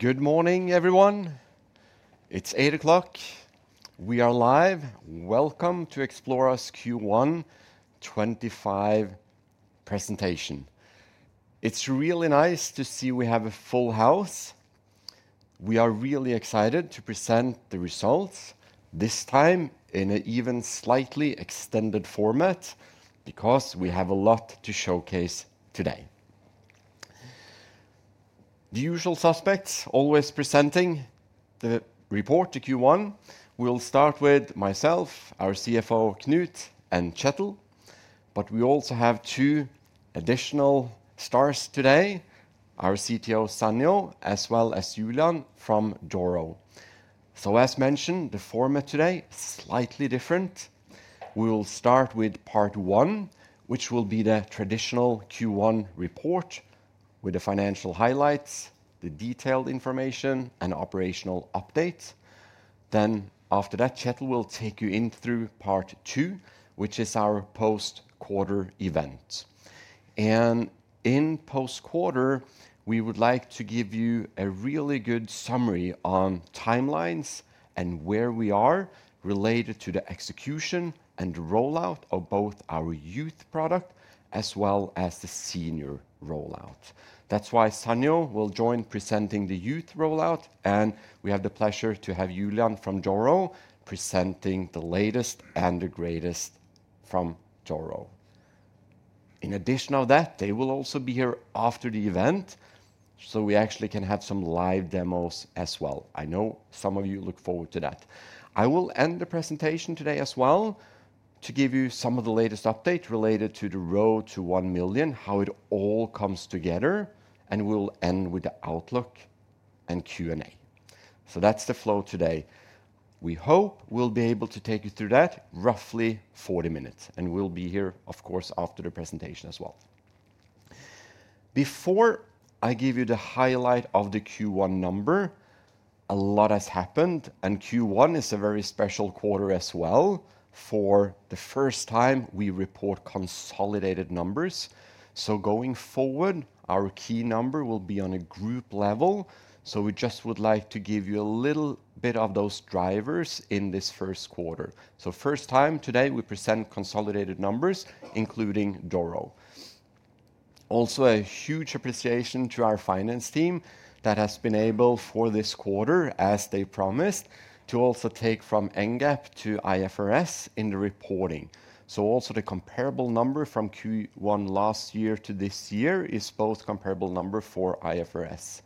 Good morning, everyone. It's 8:00. We are live. Welcome to Xplora Q1 2025 Presentation. It's really nice to see we have a full house. We are really excited to present the results this time in an even slightly extended format because we have a lot to showcase today. The usual suspects always presenting the report to Q1. We'll start with myself, our CFO, Knut, and Kjetil. We also have two additional stars today, our CTO, Sanghyo, as well as Julian from Doro. As mentioned, the format today is slightly different. We'll start with part one, which will be the traditional Q1 report with the financial highlights, the detailed information, and operational updates. After that, Kjetil will take you in through part two, which is our post-quarter event. In post-quarter, we would like to give you a really good summary on timelines and where we are related to the execution and rollout of both our youth product as well as the senior rollout. That is why Sanjo will join presenting the youth rollout, and we have the pleasure to have Julian from Doro presenting the latest and the greatest from Doro. In addition to that, they will also be here after the event, so we actually can have some live demos as well. I know some of you look forward to that. I will end the presentation today as well to give you some of the latest updates related to the road to 1 million, how it all comes together, and we will end with the outlook and Q&A. That is the flow today. We hope we'll be able to take you through that in roughly 40 minutes, and we'll be here, of course, after the presentation as well. Before I give you the highlight of the Q1 number, a lot has happened, and Q1 is a very special quarter as well. For the first time, we report consolidated numbers. Going forward, our key number will be on a group level. We just would like to give you a little bit of those drivers in this first quarter. For the first time today, we present consolidated numbers, including Doro. Also, a huge appreciation to our finance team that has been able for this quarter, as they promised, to also take from Norwegian GAAP to IFRS in the reporting. The comparable number from Q1 last year to this year is both a comparable number for IFRS.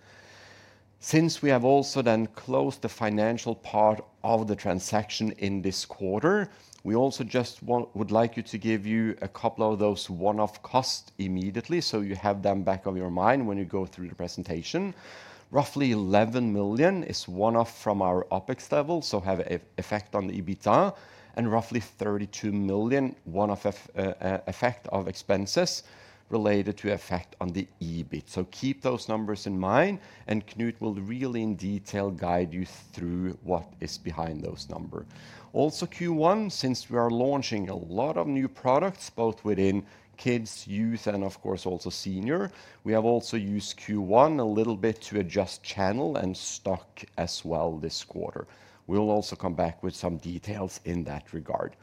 Since we have also then closed the financial part of the transaction in this quarter, we also just would like to give you a couple of those one-off costs immediately so you have them back on your mind when you go through the presentation. Roughly 11 million is one-off from our OpEx level, so have an effect on EBITDA, and roughly 32 million is one-off effect of expenses related to effect on the EBIT. Keep those numbers in mind, and Knut will really in detail guide you through what is behind those numbers. Also, Q1, since we are launching a lot of new products both within kids, youth, and of course also senior, we have also used Q1 a little bit to adjust channel and stock as well this quarter. We'll also come back with some details in that regard.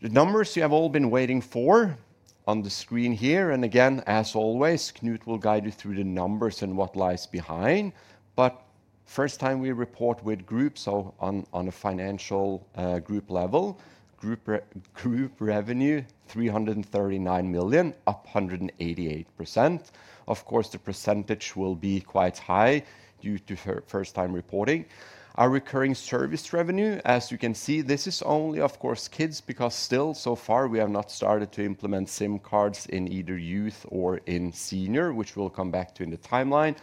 The numbers you have all been waiting for on the screen here. Again, as always, Knut will guide you through the numbers and what lies behind. First time we report with group, so on a financial group level, group revenue, 339 million, up 188%. Of course, the percentage will be quite high due to first time reporting. Our recurring service revenue, as you can see, this is only, of course, kids because still so far we have not started to implement SIM cards in either youth or in senior, which we will come back to in the timeline.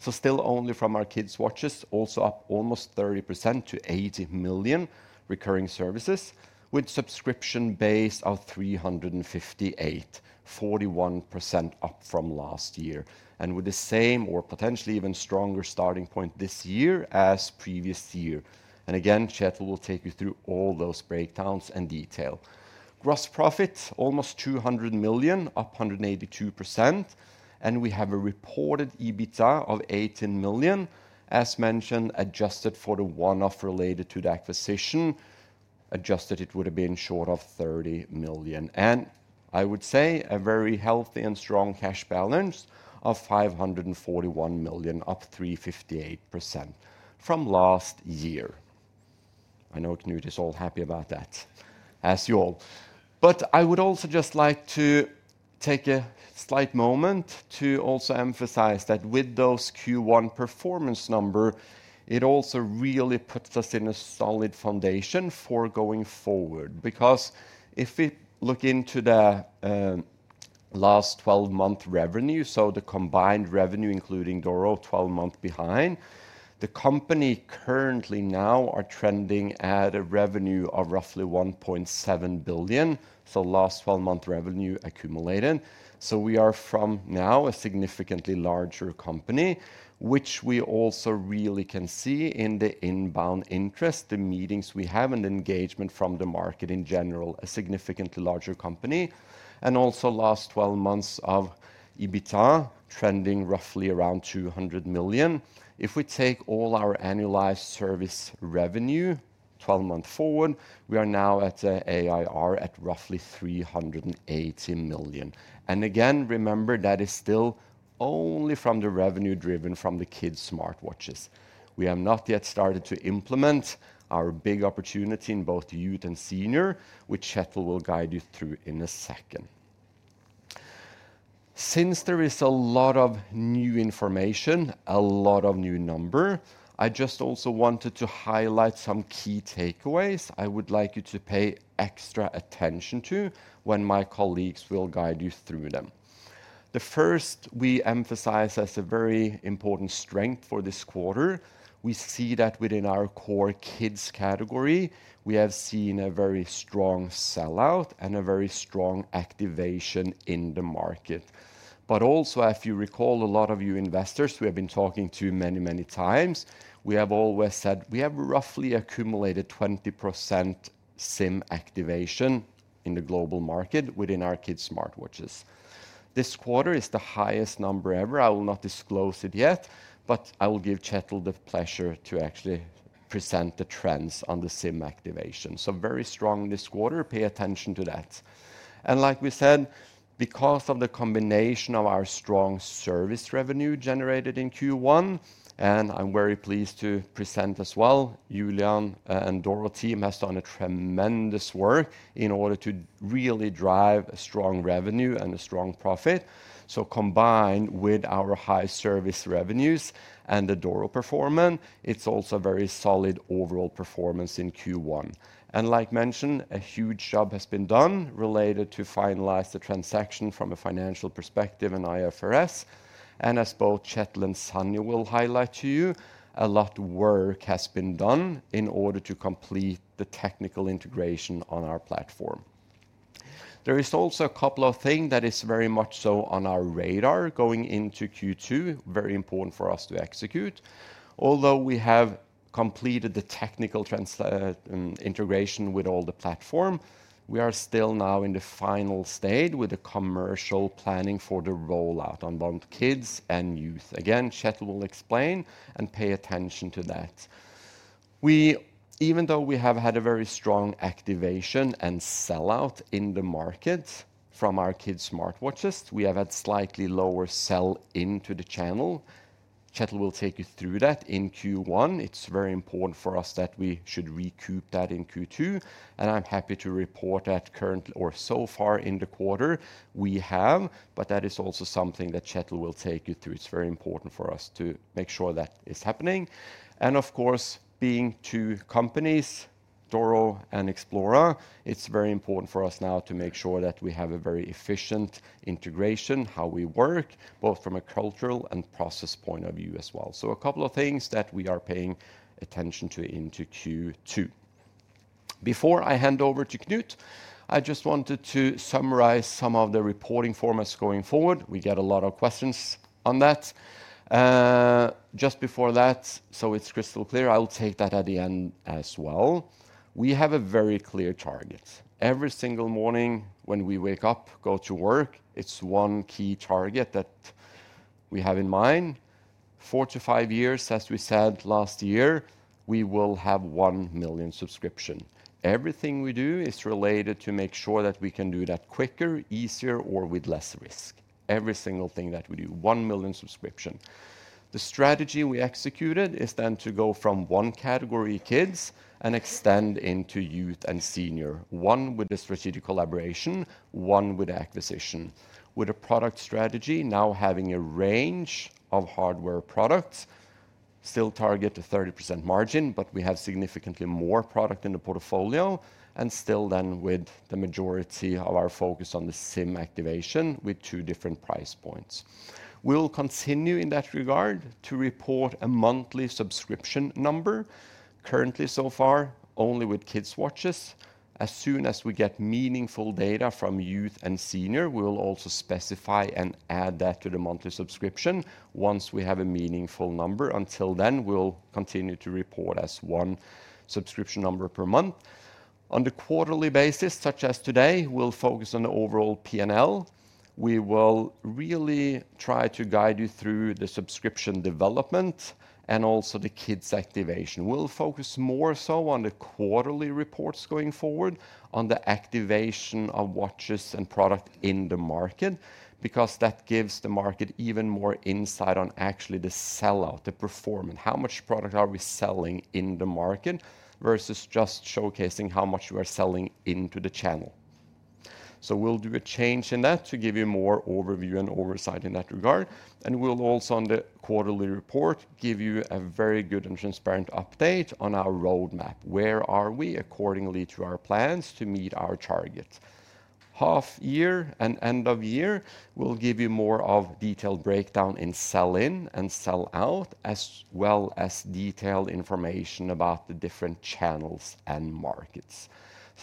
Still only from our kids' watches, also up almost 30% to 80 million recurring services with subscription base of 358,000, 41% up from last year, and with the same or potentially even stronger starting point this year as previous year. Again, Kjetil will take you through all those breakdowns in detail. Gross profit, almost 200 million, up 182%, and we have a reported EBITDA of 18 million, as mentioned, Adjusted for the one-off related to the acquisition, Adjusted it would have been short of 30 million. I would say a very healthy and strong cash balance of 541 million, up 358% from last year. I know Knut is all happy about that, as you all. I would also just like to take a slight moment to also emphasize that with those Q1 performance numbers, it also really puts us in a solid foundation for going forward. Because if we look into the last 12-month revenue, so the combined revenue including Doro, 12 months behind, the company currently now are trending at a revenue of roughly 1.7 billion, so last 12-month revenue accumulated. We are from now a significantly larger company, which we also really can see in the inbound interest, the meetings we have, and engagement from the market in general, a significantly larger company. Also, last 12 months of EBITDA trending roughly around 200 million. If we take all our annualized service revenue 12 months forward, we are now at ARR at roughly 380 million. Again, remember that is still only from the revenue driven from the kids' smartwatches. We have not yet started to implement our big opportunity in both youth and senior, which Kjetil will guide you through in a second. Since there is a lot of new information, a lot of new numbers, I just also wanted to highlight some key takeaways I would like you to pay extra attention to when my colleagues will guide you through them. The first we emphasize as a very important strength for this quarter, we see that within our core kids category, we have seen a very strong sellout and a very strong activation in the market. Also, if you recall, a lot of you investors we have been talking to many, many times, we have always said we have roughly accumulated 20% SIM activation in the global market within our kids' smartwatches. This quarter is the highest number ever. I will not disclose it yet, but I will give Kjetil the pleasure to actually present the trends on the SIM activation. Very strong this quarter. Pay attention to that. Like we said, because of the combination of our strong service revenue generated in Q1, I am very pleased to present as well, Julian and Doro team has done a tremendous work in order to really drive a strong revenue and a strong profit. Combined with our high service revenues and the Doro performance, it is also a very solid overall performance in Q1. Like mentioned, a huge job has been done related to finalize the transaction from a financial perspective and IFRS. As both Kjetil and Sanjo will highlight to you, a lot of work has been done in order to complete the technical integration on our platform. There is also a couple of things that is very much so on our radar going into Q2, very important for us to execute. Although we have completed the technical integration with all the platform, we are still now in the final stage with the commercial planning for the rollout on both kids and youth. Again, Kjetil will explain and pay attention to that. Even though we have had a very strong activation and sellout in the market from our kids' smartwatches, we have had slightly lower sell into the channel. Kjetil will take you through that in Q1. It is very important for us that we should recoup that in Q2. I am happy to report that current or so far in the quarter we have, but that is also something that Kjetil will take you through. It is very important for us to make sure that is happening. Of course, being two companies, Doro and Xplora, it's very important for us now to make sure that we have a very efficient integration, how we work, both from a cultural and process point of view as well. A couple of things that we are paying attention to into Q2. Before I hand over to Knut, I just wanted to summarize some of the reporting formats going forward. We get a lot of questions on that. Just before that, so it's crystal clear, I'll take that at the end as well. We have a very clear target. Every single morning when we wake up, go to work, it's one key target that we have in mind. Four to five years, as we said last year, we will have 1 million subscriptions. Everything we do is related to make sure that we can do that quicker, easier, or with less risk. Every single thing that we do, 1 million subscriptions. The strategy we executed is then to go from one category, kids, and extend into youth and senior, one with the strategic collaboration, one with acquisition, with a product strategy now having a range of hardware products, still target to 30% margin, but we have significantly more product in the portfolio, and still then with the majority of our focus on the SIM activation with two different price points. We'll continue in that regard to report a monthly subscription number. Currently so far, only with kids' watches. As soon as we get meaningful data from youth and senior, we'll also specify and add that to the monthly subscription once we have a meaningful number. Until then, we'll continue to report as one subscription number per month. On the quarterly basis, such as today, we'll focus on the overall P&L. We will really try to guide you through the subscription development and also the kids' activation. We'll focus more so on the quarterly reports going forward, on the activation of watches and product in the market, because that gives the market even more insight on actually the sellout, the performance, how much product are we selling in the market versus just showcasing how much we are selling into the channel. We will do a change in that to give you more overview and oversight in that regard. We will also, on the quarterly report, give you a very good and transparent update on our roadmap. Where are we accordingly to our plans to meet our target? Half year and end of year, we'll give you more of detailed breakdown in sell-in and sell-out, as well as detailed information about the different channels and markets.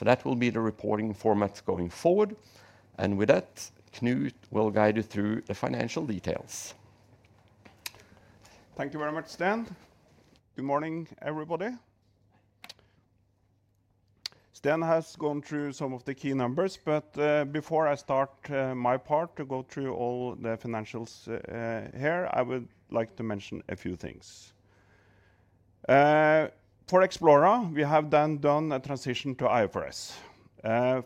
That will be the reporting formats going forward. With that, Knut will guide you through the financial details. Thank you very much, Sten. Good morning, everybody. Sten has gone through some of the key numbers, but before I start my part to go through all the financials here, I would like to mention a few things. For Xplora, we have then done a transition to IFRS.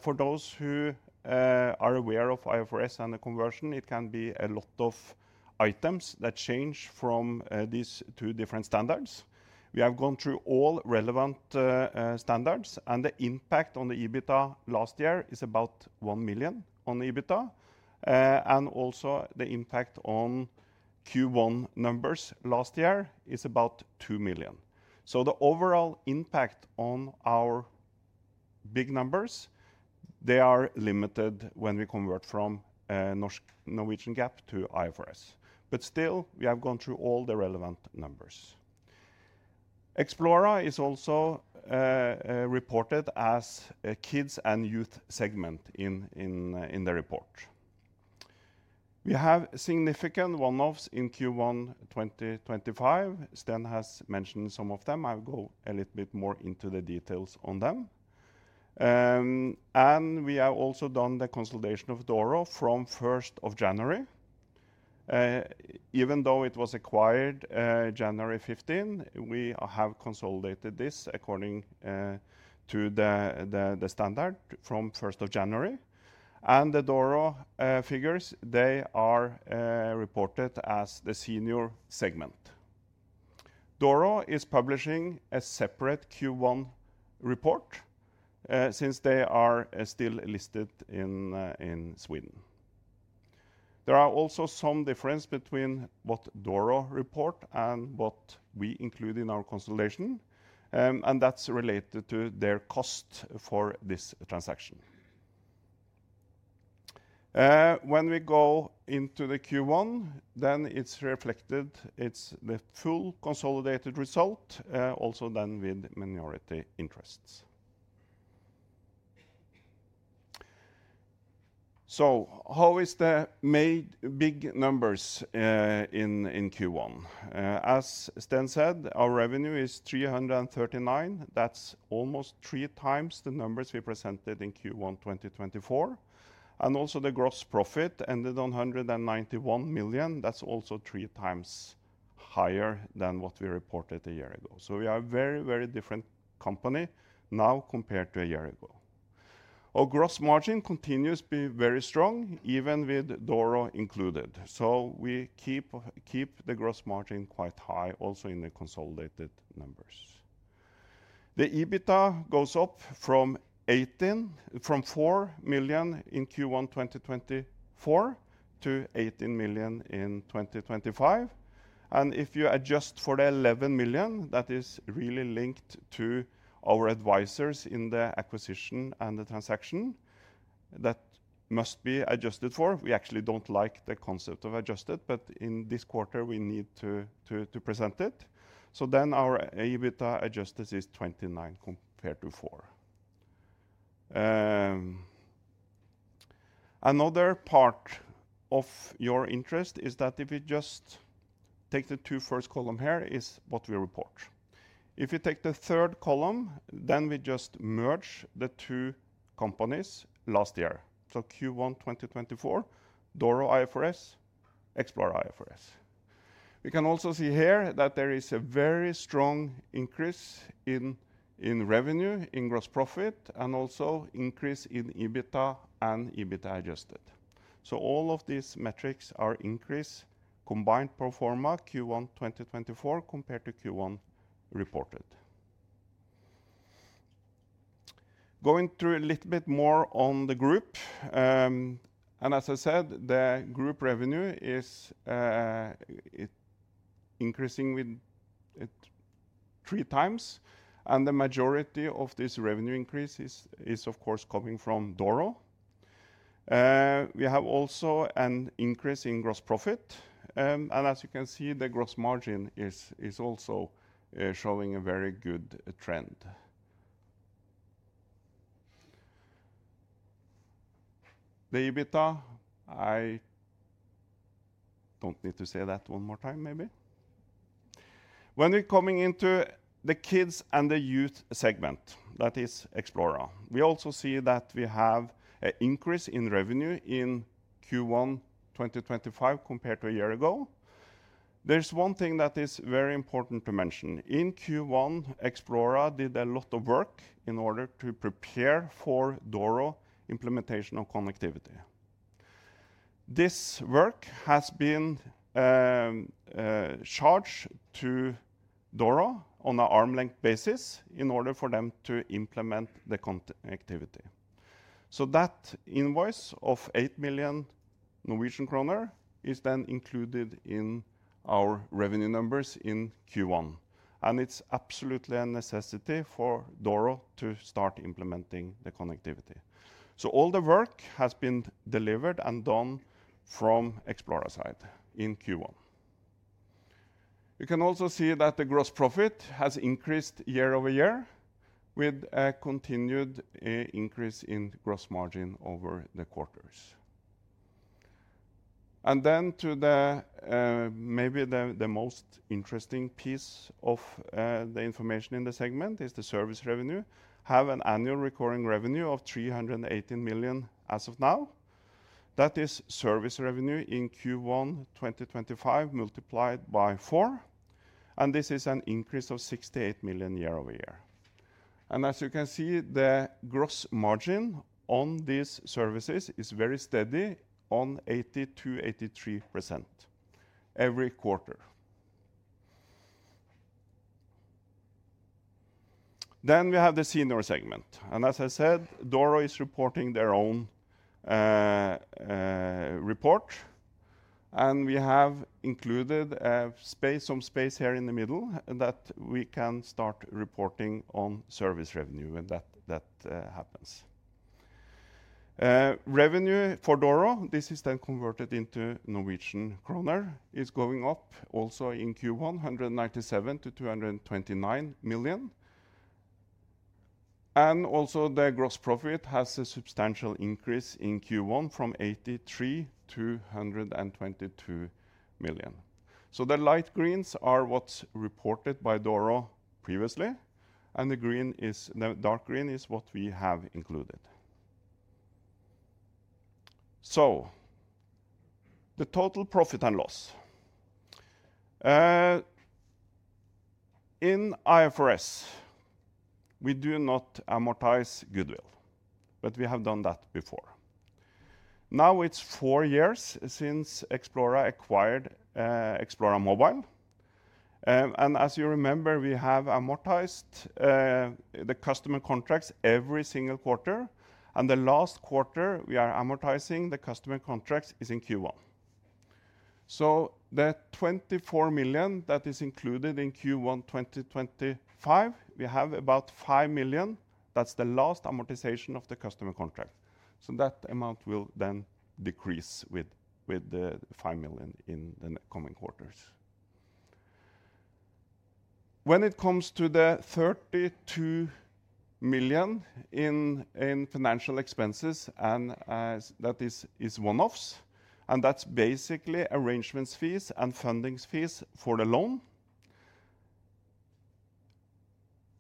For those who are aware of IFRS and the conversion, it can be a lot of items that change from these two different standards. We have gone through all relevant standards, and the impact on the EBITDA last year is about 1 million on the EBITDA. Also, the impact on Q1 numbers last year is about 2 million. The overall impact on our big numbers is limited when we convert from Norwegian GAAP to IFRS. Still, we have gone through all the relevant numbers. Xplora is also reported as a kids and youth segment in the report. We have significant one-offs in Q1 2025. Sten has mentioned some of them. I'll go a little bit more into the details on them. We have also done the consolidation of DORO from January 1. Even though it was acquired January 15, we have consolidated this according to the standard from January 1. The Doro figures are reported as the senior segment. Doro is publishing a separate Q1 report since they are still listed in Sweden. There are also some differences between what Doro reports and what we include in our consolidation, and that's related to their cost for this transaction. When we go into the Q1, then it's reflected, it's the full consolidated result, also then with minority interests. How is the big numbers in Q1? As Sten said, our revenue is 339 million. That's almost three times the numbers we presented in Q1 2024. Also, the gross profit ended on 191 million. That's also three times higher than what we reported a year ago. We are a very, very different company now compared to a year ago. Our Gross margin continues to be very strong, even with Doro included. We keep the Gross margin quite high also in the consolidated numbers. The EBITDA goes up from 4 million in Q1 2024 to 18 million in 2025. If you adjust for the 11 million, that is really linked to our advisors in the acquisition and the transaction that must be adjusted for. We actually do not like the concept of adjusted, but in this quarter, we need to present it. Our EBITDA adjusted is 29 million compared to 4 million. Another part of your interest is that if you just take the two first columns here, it is what we report. If you take the third column, we just merge the two companies last year. Q1 2024, Doro IFRS, Xplora IFRS. We can also see here that there is a very strong increase in revenue, in gross profit, and also increase in EBITDA and EBITDA adjusted. All of these metrics are increased combined proforma Q1 2024 compared to Q1 reported. Going through a little bit more on the group, and as I said, the group revenue is increasing with three times, and the majority of this revenue increase is, of course, coming from Doro. We have also an increase in Gross profit, and as you can see, the Gross margin is also showing a very good trend. The EBITDA, I do not need to say that one more time, maybe. When we are coming into the kids and the youth segment, that is Xplora, we also see that we have an increase in revenue in Q1 2025 compared to a year ago. There is one thing that is very important to mention. In Q1, Xplora did a lot of work in order to prepare for Doro implementation of connectivity. This work has been charged to Doro on an arm-length basis in order for them to implement the connectivity. That invoice of 8 million Norwegian kroner is then included in our revenue numbers in Q1. It is absolutely a necessity for Doro to start implementing the connectivity. All the work has been delivered and done from Xplora's side in Q1. You can also see that the Gross profit has increased year over year with a continued increase in Gross margin over the quarters. Maybe the most interesting piece of the information in the segment is the service revenue. We have an annual recurring revenue of 318 million as of now. That is service revenue in Q1 2025 multiplied by 4. This is an increase of 68 million year over year. As you can see, the gross margin on these services is very steady on 80-83% every quarter. We have the senior segment. As I said, Doro is reporting their own report. We have included some space here in the middle that we can start reporting on service revenue when that happens. Revenue for Doro, this is then converted into NOK, is going up also in Q1, 197 million to 229 million. Also, the Gross profit has a substantial increase in Q1 from 83 million to 122 million. The light greens are what's reported by Doro previously, and the dark green is what we have included. The total profit and loss. In IFRS, we do not amortize goodwill, but we have done that before. Now it's four years since Xplora acquired Xplora Mobile. As you remember, we have amortized the customer contracts every single quarter. The last quarter we are amortizing the customer contracts is in Q1. The 24 million that is included in Q1 2025, we have about 5 million. That's the last amortization of the customer contract. That amount will then decrease with the 5 million in the coming quarters. When it comes to the 32 million in financial expenses, that is one-offs, and that's basically arrangement fees and funding fees for the loan.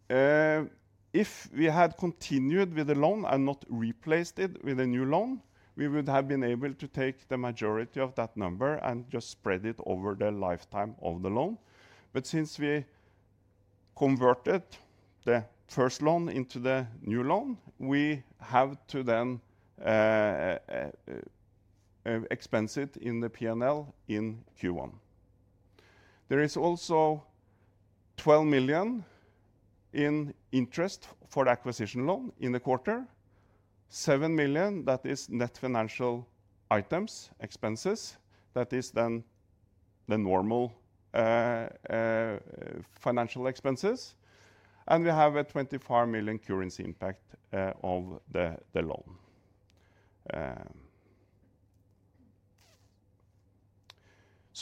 If we had continued with the loan and not replaced it with a new loan, we would have been able to take the majority of that number and just spread it over the lifetime of the loan. Since we converted the first loan into the new loan, we have to then expense it in the P&L in Q1. There is also 12 million in interest for the acquisition loan in the quarter, 7 million, that is net financial items expenses, that is then the normal financial expenses. We have a 25 million currency impact of the loan.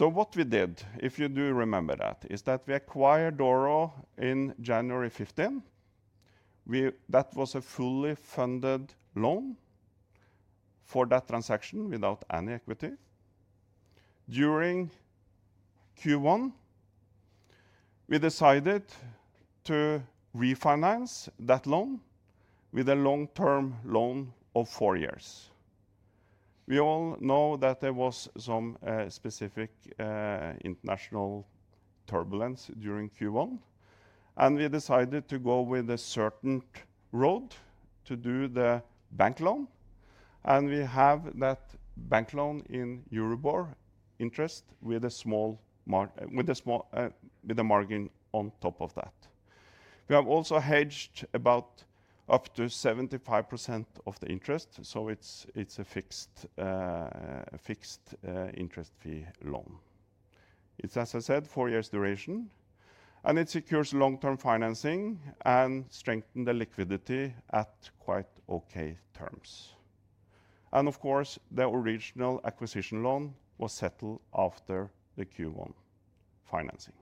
What we did, if you do remember that, is that we acquired Doro on January 15. That was a fully funded loan for that transaction without any equity. During Q1, we decided to refinance that loan with a long-term loan of four years. We all know that there was some specific international turbulence during Q1, and we decided to go with a certain road to do the bank loan. We have that bank loan in Euribor interest with a small margin on top of that. We have also hedged about up to 75% of the interest, so it's a fixed interest fee loan. It is, as I said, four years duration, and it secures long-term financing and strengthens the liquidity at quite okay terms. Of course, the original acquisition loan was settled after the Q1 financing.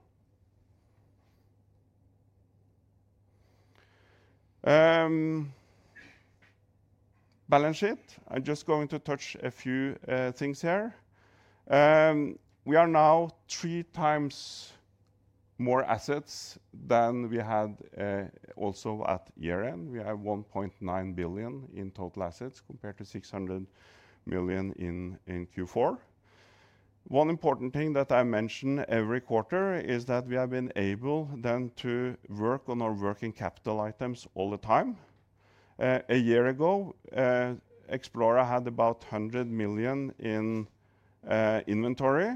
Balance sheet, I'm just going to touch a few things here. We are now three times more assets than we had also at year-end. We have 1.9 billion in total assets compared to 600 million in Q4. One important thing that I mention every quarter is that we have been able then to work on our working capital items all the time. A year ago, Xplora had about 100 million in inventory.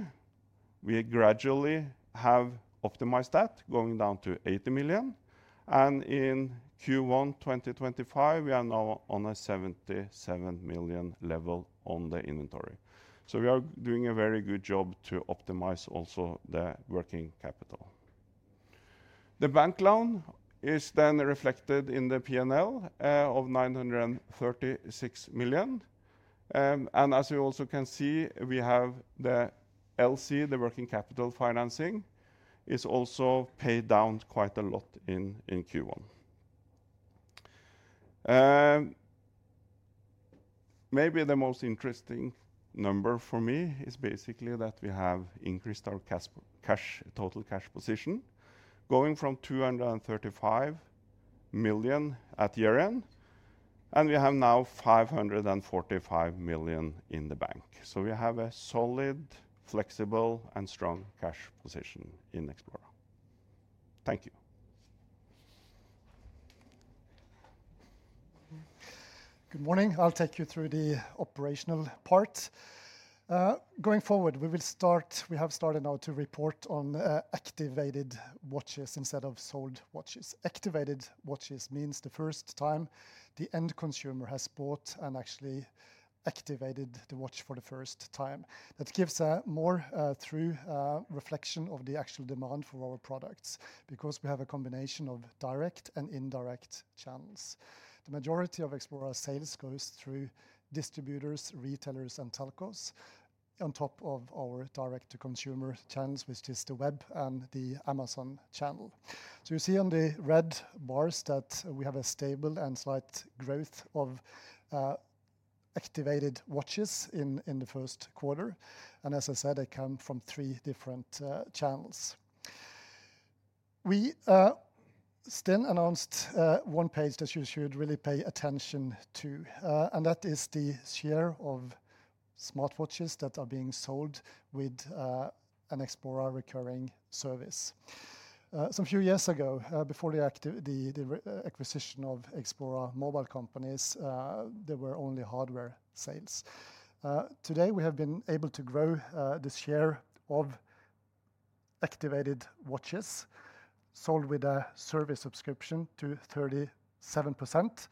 We gradually have optimized that, going down to 80 million. In Q1 2025, we are now on a 77 million level on the inventory. We are doing a very good job to optimize also the working capital. The bank loan is then reflected in the P&L of 936 million. As you also can see, we have the LC, the working capital financing, is also paid down quite a lot in Q1. Maybe the most interesting number for me is basically that we have increased our cash, total cash position, going from 235 million at year-end, and we have now 545 million in the bank. So we have a solid, flexible, and strong cash position in Xplora. Thank you. Good morning. I'll take you through the operational part. Going forward, we will start, we have started now to report on activated watches instead of sold watches. Activated watches means the first time the end consumer has bought and actually activated the watch for the first time. That gives a more true reflection of the actual demand for our products because we have a combination of direct and indirect channels. The majority of Xplora sales goes through distributors, retailers, and telcos on top of our direct-to-consumer channels, which is the web and the Amazon channel. You see on the red bars that we have a stable and slight growth of activated watches in the first quarter. As I said, they come from three different channels. Sten announced one page that you should really pay attention to, and that is the share of smartwatches that are being sold with an Xplora recurring service. Some few years ago, before the acquisition of Xplora Mobile Companies, there were only hardware sales. Today, we have been able to grow the share of activated watches sold with a service subscription to 37%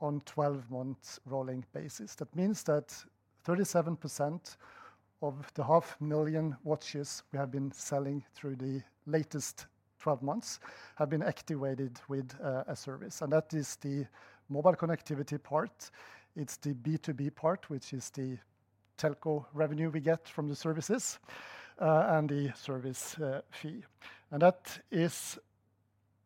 on a 12-month rolling basis. That means that 37% of the 500,000 watches we have been selling through the latest 12 months have been activated with a service. That is the mobile connectivity part. It is the B2B part, which is the telco revenue we get from the services and the service fee. That is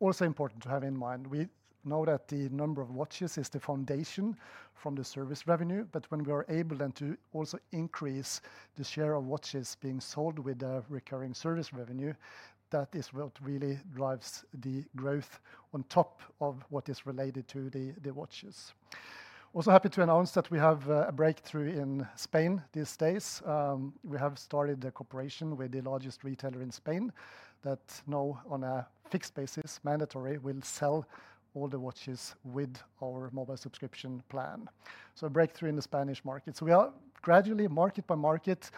also important to have in mind. We know that the number of watches is the foundation for the service revenue, but when we are able then to also increase the share of watches being sold with the recurring service revenue, that is what really drives the growth on top of what is related to the watches. I am also happy to announce that we have a breakthrough in Spain these days. We have started a cooperation with the largest retailer in Spain that now, on a fixed basis, mandatory, will sell all the watches with our mobile subscription plan. A breakthrough in the Spanish market. We are gradually, market by market,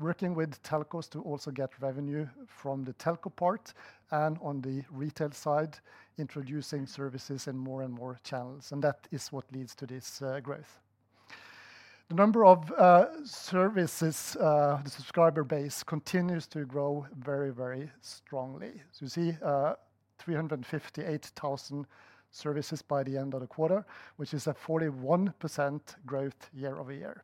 working with telcos to also get revenue from the telco part and on the retail side, introducing services in more and more channels. That is what leads to this growth. The number of services, the subscriber base, continues to grow very, very strongly. You see 358,000 services by the end of the quarter, which is a 41% growth year- over- year.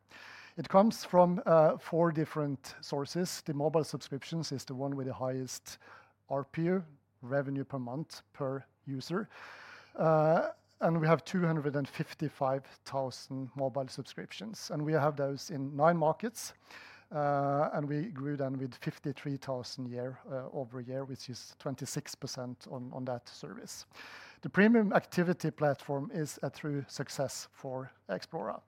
It comes from four different sources. The mobile subscriptions is the one with the highest RPU, revenue per month per user. We have 255,000 mobile subscriptions. We have those in nine markets. We grew then with 53,000 year over year, which is 26% on that service. The premium activity platform is a true success for Xplora.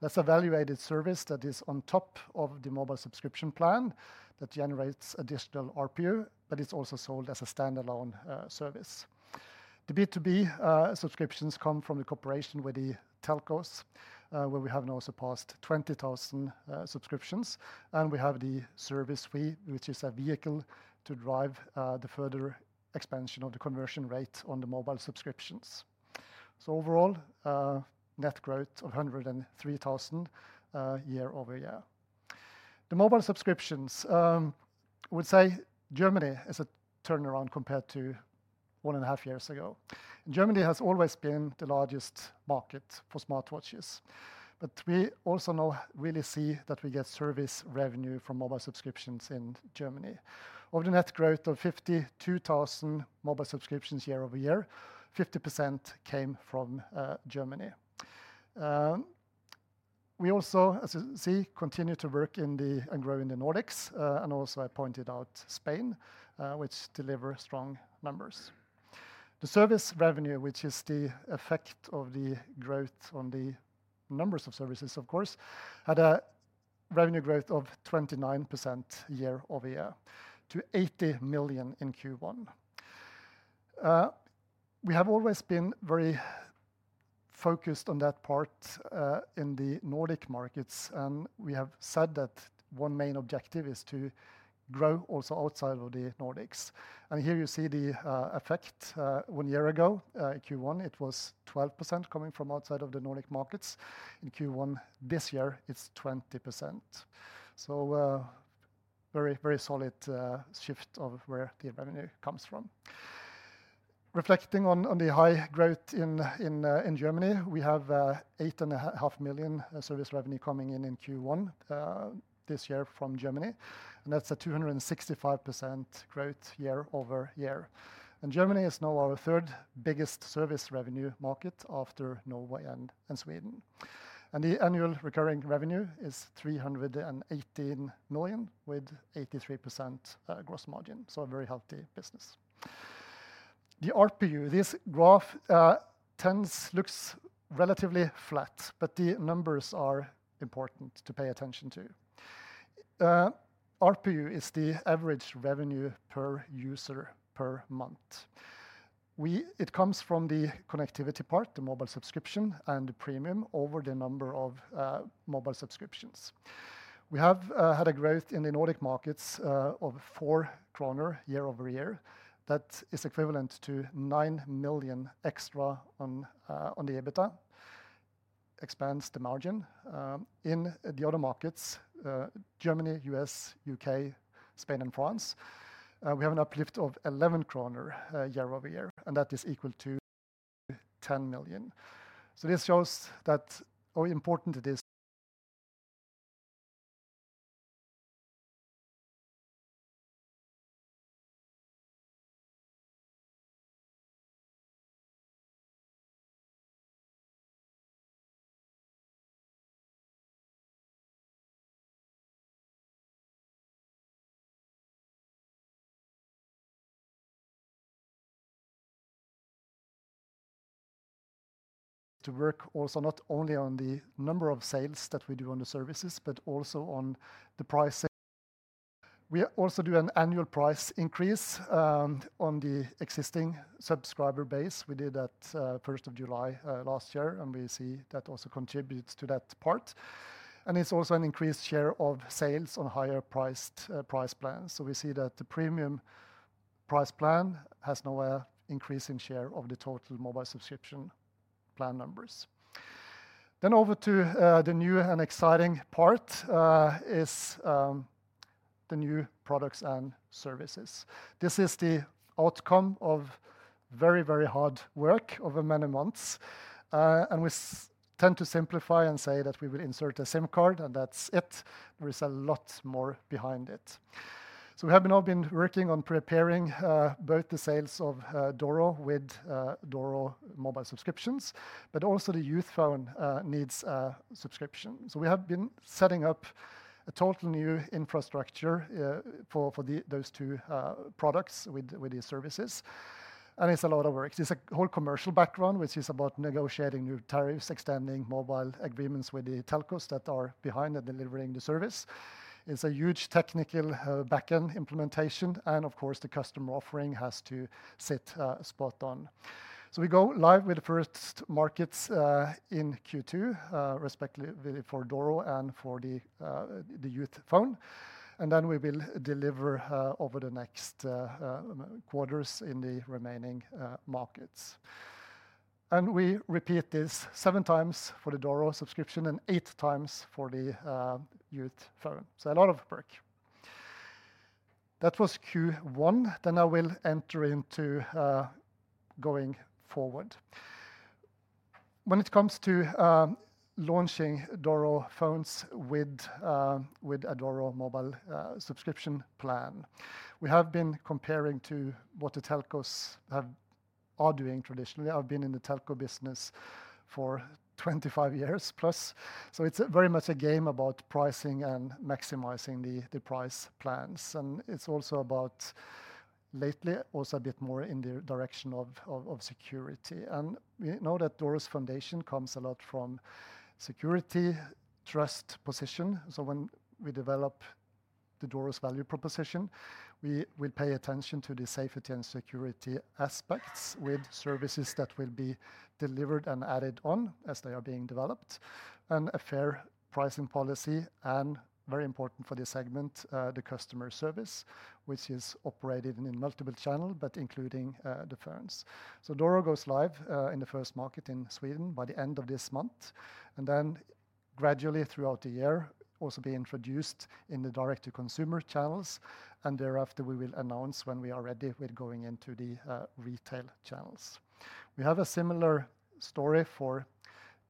That is a valuated service that is on top of the mobile subscription plan that generates additional RPU, but it is also sold as a standalone service. The B2B subscriptions come from the cooperation with the telcos, where we have now surpassed 20,000 subscriptions. We have the service fee, which is a vehicle to drive the further expansion of the conversion rate on the mobile subscriptions. Overall, net growth of 103,000 year- over- year. The mobile subscriptions, I would say Germany is a turnaround compared to one and a half years ago. Germany has always been the largest market for smartwatches. We also now really see that we get service revenue from mobile subscriptions in Germany. Of the net growth of 52,000 mobile subscriptions year- over- year, 50% came from Germany. We also, as you see, continue to work in and grow in the Nordics. I pointed out Spain, which delivers strong numbers. The service revenue, which is the effect of the growth on the numbers of services, of course, had a revenue growth of 29% year- over -year to 80 million in Q1. We have always been very focused on that part in the Nordic markets. We have said that one main objective is to grow also outside of the Nordics. Here you see the effect. One year ago, in Q1, it was 12% coming from outside of the Nordic markets. In Q1 this year, it is 20%. Very, very solid shift of where the revenue comes from. Reflecting on the high growth in Germany, we have 8.5 million service revenue coming in in Q1 this year from Germany. That is a 265% growth year -over- year. Germany is now our third biggest service revenue market after Norway and Sweden. The annual recurring revenue is 318 million with 83% Gross margin. Very healthy business. The RPU, this graph tends to look relatively flat, but the numbers are important to pay attention to. RPU is the average revenue per user per month. It comes from the connectivity part, the mobile subscription and the premium over the number of mobile subscriptions. We have had a growth in the Nordic markets of 4 kroner year- over- year. That is equivalent to 9 million extra on the EBITDA, expands the margin. In the other markets, Germany, U.S., U.K., Spain, and France, we have an uplift of 11 kroner year over year. That is equal to 10 million. This shows how important it is to work also not only on the number of sales that we do on the services, but also on the price. We also do an annual price increase on the existing subscriber base. We did that 1st of July last year, and we see that also contributes to that part. It is also an increased share of sales on higher priced price plans. We see that the premium price plan has now an increase in share of the total mobile subscription plan numbers. Over to the new and exciting part is the new products and services. This is the outcome of very, very hard work over many months. We tend to simplify and say that we will insert a SIM card, and that's it. There is a lot more behind it. We have now been working on preparing both the sales of Doro with Doro mobile subscriptions, but also the youth phone needs a subscription. We have been setting up a total new infrastructure for those two products with these services. It is a lot of work. There's a whole commercial background, which is about negotiating new tariffs, extending mobile agreements with the telcos that are behind and delivering the service. It's a huge technical backend implementation. Of course, the customer offering has to sit spot on. We go live with the first markets in Q2, respectively for Doro and for the youth phone. We will deliver over the next quarters in the remaining markets. We repeat this seven times for the Doro subscription and eight times for the youth phone. A lot of work. That was Q1. I will enter into going forward. When it comes to launching Doro phones with a Doro mobile subscription plan, we have been comparing to what the telcos are doing traditionally. I've been in the telco business for 25 years plus. It is very much a game about pricing and maximizing the price plans. It is also about lately also a bit more in the direction of security. We know that Doro's foundation comes a lot from security trust position. When we develop the Doro's value proposition, we will pay attention to the safety and security aspects with services that will be delivered and added on as they are being developed. A fair pricing policy and, very important for this segment, the customer service, which is operated in multiple channels, including the phones. Doro goes live in the first market in Sweden by the end of this month. Gradually throughout the year, it will also be introduced in the direct-to-consumer channels. Thereafter, we will announce when we are ready with going into the retail channels. We have a similar story for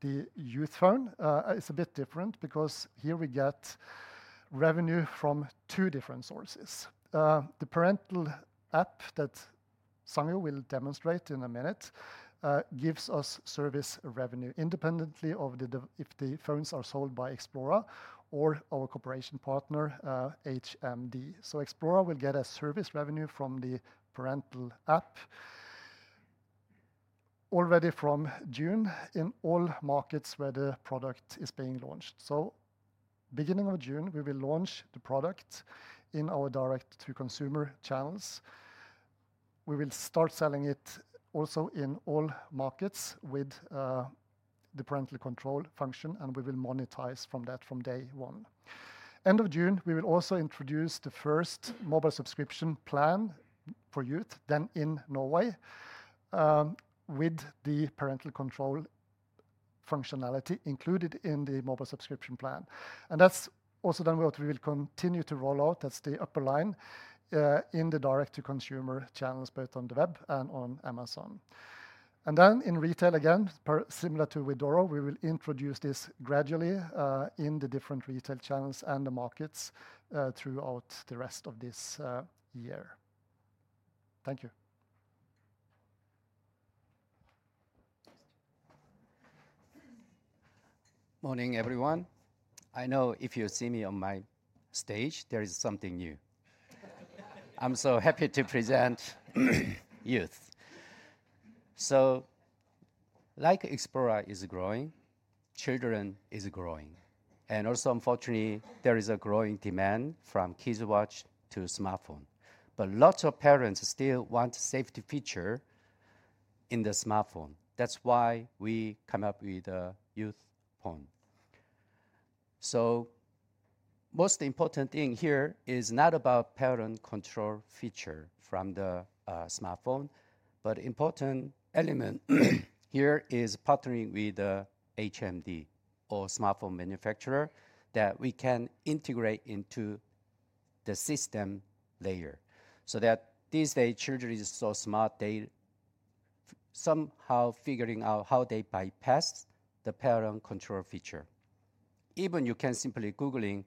the youth phone. It's a bit different because here we get revenue from two different sources. The parental app that Sanjo will demonstrate in a minute gives us service revenue independently of if the phones are sold by Xplora or our cooperation partner, HMD. Xplora will get a service revenue from the parental app already from June in all markets where the product is being launched. Beginning of June, we will launch the product in our direct-to-consumer channels. We will start selling it also in all markets with the parental control function. We will monetize from that from day one. End of June, we will also introduce the first mobile subscription plan for youth, then in Norway, with the parental control functionality included in the mobile subscription plan. That is also then what we will continue to roll out. That's the upper line in the direct-to-consumer channels, both on the web and on Amazon. In retail, again, similar to with Doro, we will introduce this gradually in the different retail channels and the markets throughout the rest of this year. Thank you. Morning, everyone. I know if you see me on my stage, there is something new. I'm so happy to present youth. Like Xplora is growing, children is growing. Also, unfortunately, there is a growing demand from Kids Watch to smartphone. Lots of parents still want safety feature in the smartphone. That's why we come up with a youth phone. Most important thing here is not about parent control feature from the smartphone, but important element here is partnering with the HMD or smartphone manufacturer that we can integrate into the system layer. These days, children are so smart, they somehow figure out how they bypass the parent control feature. Even you can simply Google,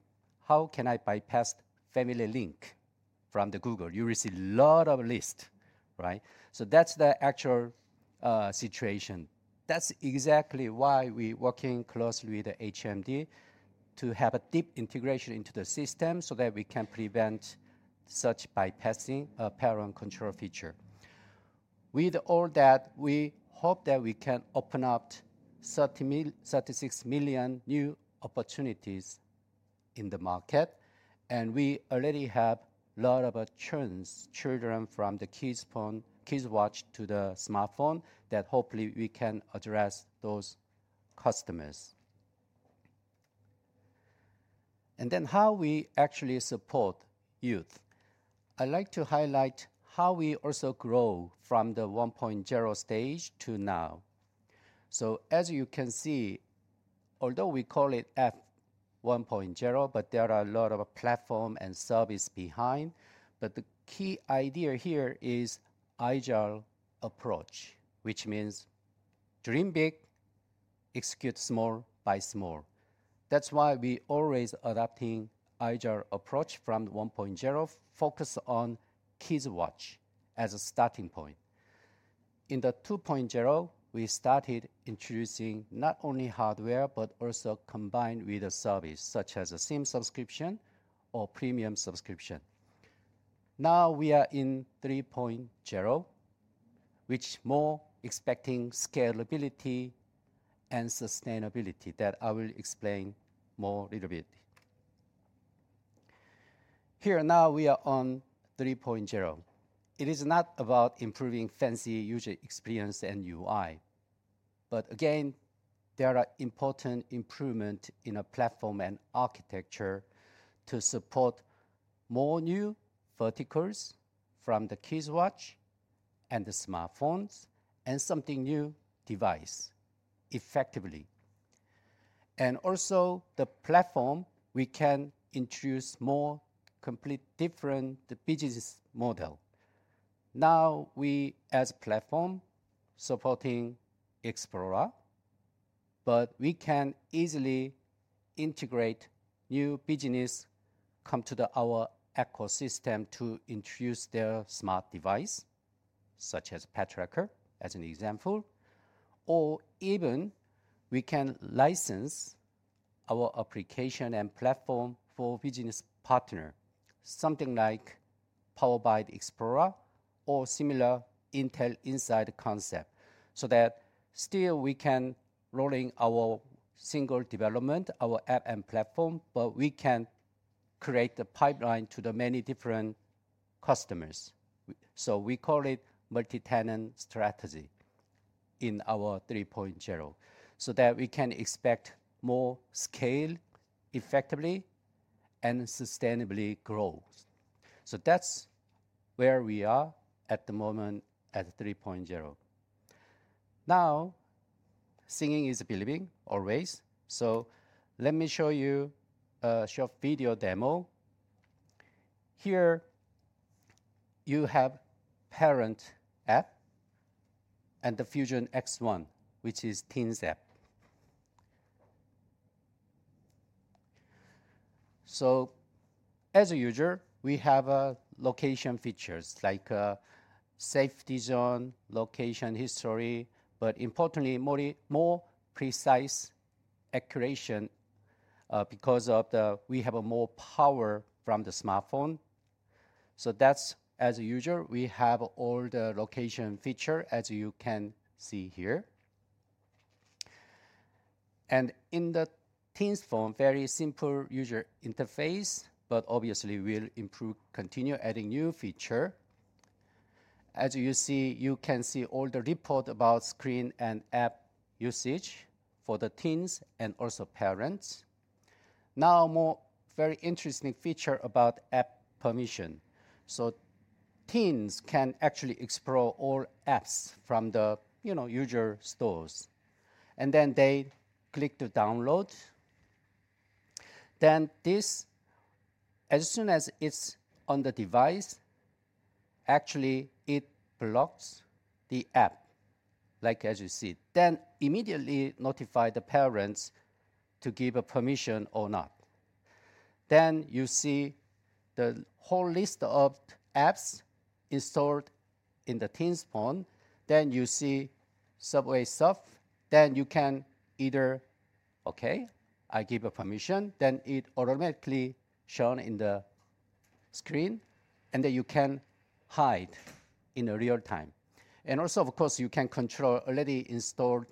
how can I bypass Family Link from Google? You receive a lot of lists, right? That is the actual situation. That is exactly why we are working closely with HMD to have a deep integration into the system so that we can prevent such bypassing of a parent control feature. With all that, we hope that we can open up 36 million new opportunities in the market. We already have a lot of churns, children from the Kids Watch to the smartphone that hopefully we can address those customers. Then how we actually support youth. I would like to highlight how we also grow from the 1.0 stage to now. As you can see, although we call it F1.0, there are a lot of platform and service behind. The key idea here is agile approach, which means dream big, execute small by small. That is why we always adopting agile approach from 1.0, focus on Kids Watch as a starting point. In the 2.0, we started introducing not only hardware, but also combined with a service such as a SIM subscription or premium subscription. Now we are in 3.0, which is more expecting scalability and sustainability that I will explain more a little bit. Here now we are on 3.0. It is not about improving fancy user experience and UI. Again, there are important improvements in a platform and architecture to support more new verticals from the Kids Watch and the smartphones and something new device effectively. Also, the platform, we can introduce more complete different business model. Now we as platform supporting Xplora, but we can easily integrate new business come to our ecosystem to introduce their smart device, such as Patracker as an example. Or even we can license our application and platform for business partner, something like Power BI, Xplora, or similar Intel Insight concept. That still we can rolling our single development, our app and platform, but we can create a pipeline to the many different customers. We call it multi-tenant strategy in our 3.0 so that we can expect more scale effectively and sustainably grow. That is where we are at the moment at 3.0. Now singing is believing always. Let me show you a short video demo. Here you have parent app and the Fusion X1, which is Teens app. As a user, we have location features like safety zone, location history, but importantly, more precise accuration because we have more power from the smartphone. That is, as a user, we have all the location feature as you can see here. In the Teens phone, very simple user interface, but obviously we'll improve, continue adding new feature. As you see, you can see all the report about screen and app usage for the teens and also parents. Now a very interesting feature about app permission. Teens can actually explore all apps from the user stores. They click to download. As soon as it's on the device, actually it blocks the app, like as you see. It immediately notifies the parents to give a permission or not. You see the whole list of apps installed in the Teens phone. You see Subway Surf. You can either, okay, I give a permission. It automatically is shown on the screen. You can hide in real time. You can control already installed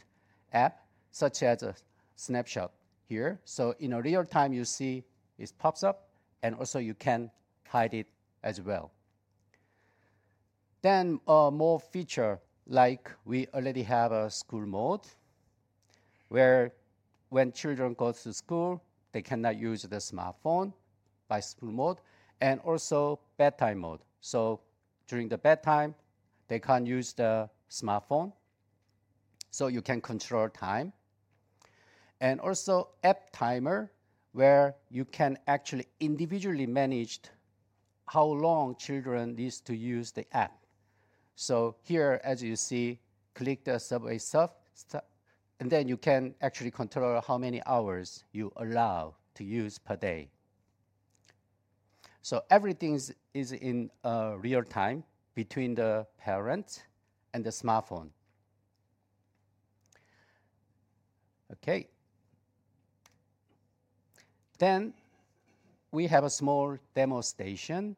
app, such as a snapshot here. In real time, you see it pops up, and you can hide it as well. More feature, like we already have a school mode, where when children go to school, they cannot use the smartphone by school mode. Also bedtime mode. During the bedtime, they cannot use the smartphone. You can control time. Also app timer, where you can actually individually manage how long children need to use the app. Here, as you see, click the Subway Surf, and you can actually control how many hours you allow to use per day. Everything is in real time between the parent and the smartphone. Okay. We have a small demo station.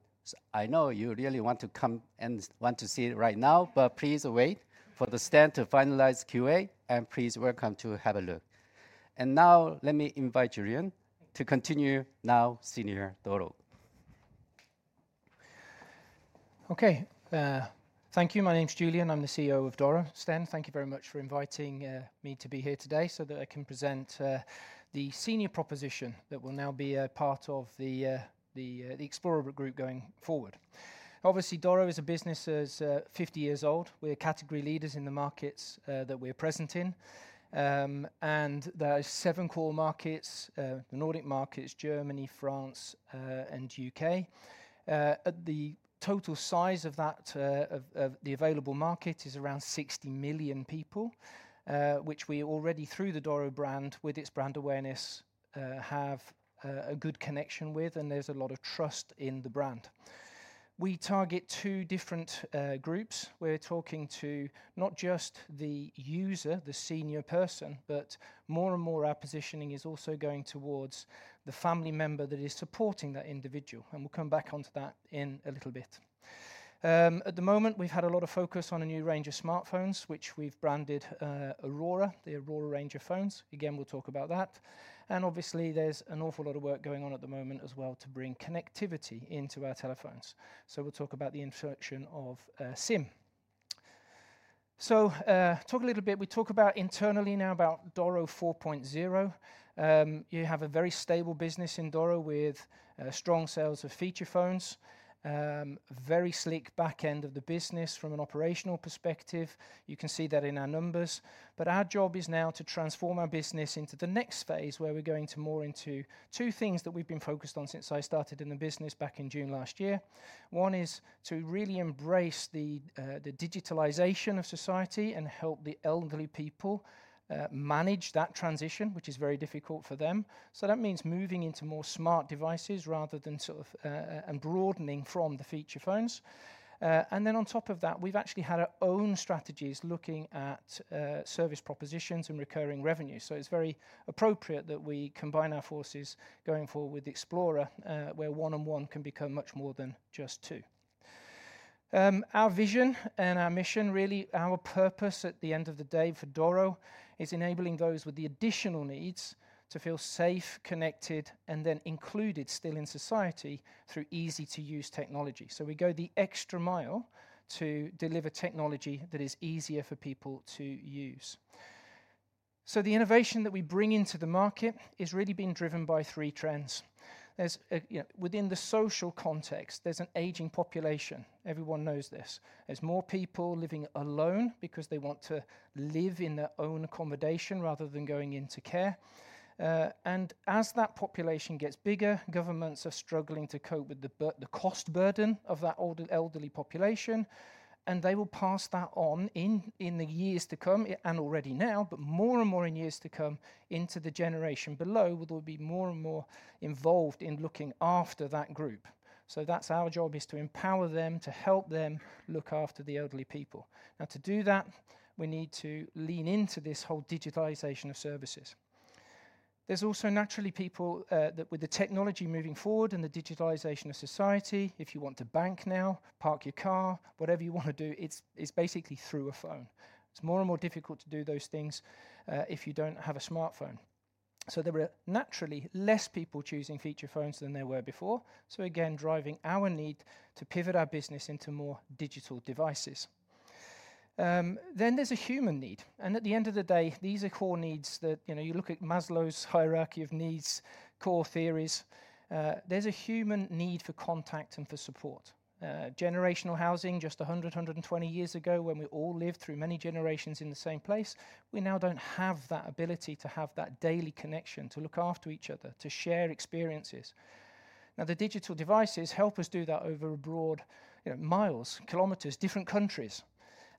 I know you really want to come and want to see it right now, but please wait for the stand to finalize QA. Please welcome to have a look. Now let me invite Julian to continue now, Senior Doro. Okay. Thank you. My name's Julian. I'm the CEO of Doro. Sten, Thank you very much for inviting me to be here today so that I can present the senior proposition that will now be a part of the Xplora group going forward. Obviously, Doro is a business that is 50 years old. We're category leaders in the markets that we're present in. There are seven core markets, Nordic markets, Germany, France, and U.K. The total size of the available market is around 60 million people, which we already, through the Doro brand, with its brand awareness, have a good connection with. There is a lot of trust in the brand. We target two different groups. We are talking to not just the user, the senior person, but more and more our positioning is also going towards the family member that is supporting that individual. We will come back onto that in a little bit. At the moment, we have had a lot of focus on a new range of smartphones, which we have branded Aurora, the Aurora range of phones. We will talk about that. Obviously, there is an awful lot of work going on at the moment as well to bring connectivity into our telephones. We will talk about the introduction of SIM. Talk a little bit. We talk about internally now about Doro 4.0. You have a very stable business in Doro with strong sales of feature phones, very slick back end of the business from an operational perspective. You can see that in our numbers. Our job is now to transform our business into the next phase where we're going more into two things that we've been focused on since I started in the business back in June last year. One is to really embrace the digitalization of society and help the elderly people manage that transition, which is very difficult for them. That means moving into more smart devices rather than sort of and broadening from the feature phones. On top of that, we've actually had our own strategies looking at service propositions and recurring revenue. It is very appropriate that we combine our forces going forward with Xplora, where one-on-one can become much more than just two. Our vision and our mission, really our purpose at the end of the day for DORO is enabling those with additional needs to feel safe, connected, and then included still in society through easy-to-use technology. We go the extra mile to deliver technology that is easier for people to use. The innovation that we bring into the market is really being driven by three trends. Within the social context, there is an aging population. Everyone knows this. There are more people living alone because they want to live in their own accommodation rather than going into care. As that population gets bigger, governments are struggling to cope with the cost burden of that elderly population. They will pass that on in the years to come and already now, but more and more in years to come the generation below will be more and more involved in looking after that group. That is our job, to empower them, to help them look after the elderly people. Now, to do that, we need to lean into this whole digitalization of services. There is also naturally people that, with the technology moving forward and the digitalization of society, if you want to bank now, park your car, whatever you want to do, it is basically through a phone. It is more and more difficult to do those things if you do not have a smartphone. There are naturally fewer people choosing feature phones than there were before, again driving our need to pivot our business into more digital devices. Then there is a human need. At the end of the day, these are core needs that you look at, Maslow's hierarchy of needs, core theories. There's a human need for contact and for support. Generational housing, just 100 to 120 years ago, when we all lived through many generations in the same place, we now do not have that ability to have that daily connection, to look after each other, to share experiences. Now, the digital devices help us do that over broad miles, kilometers, different countries,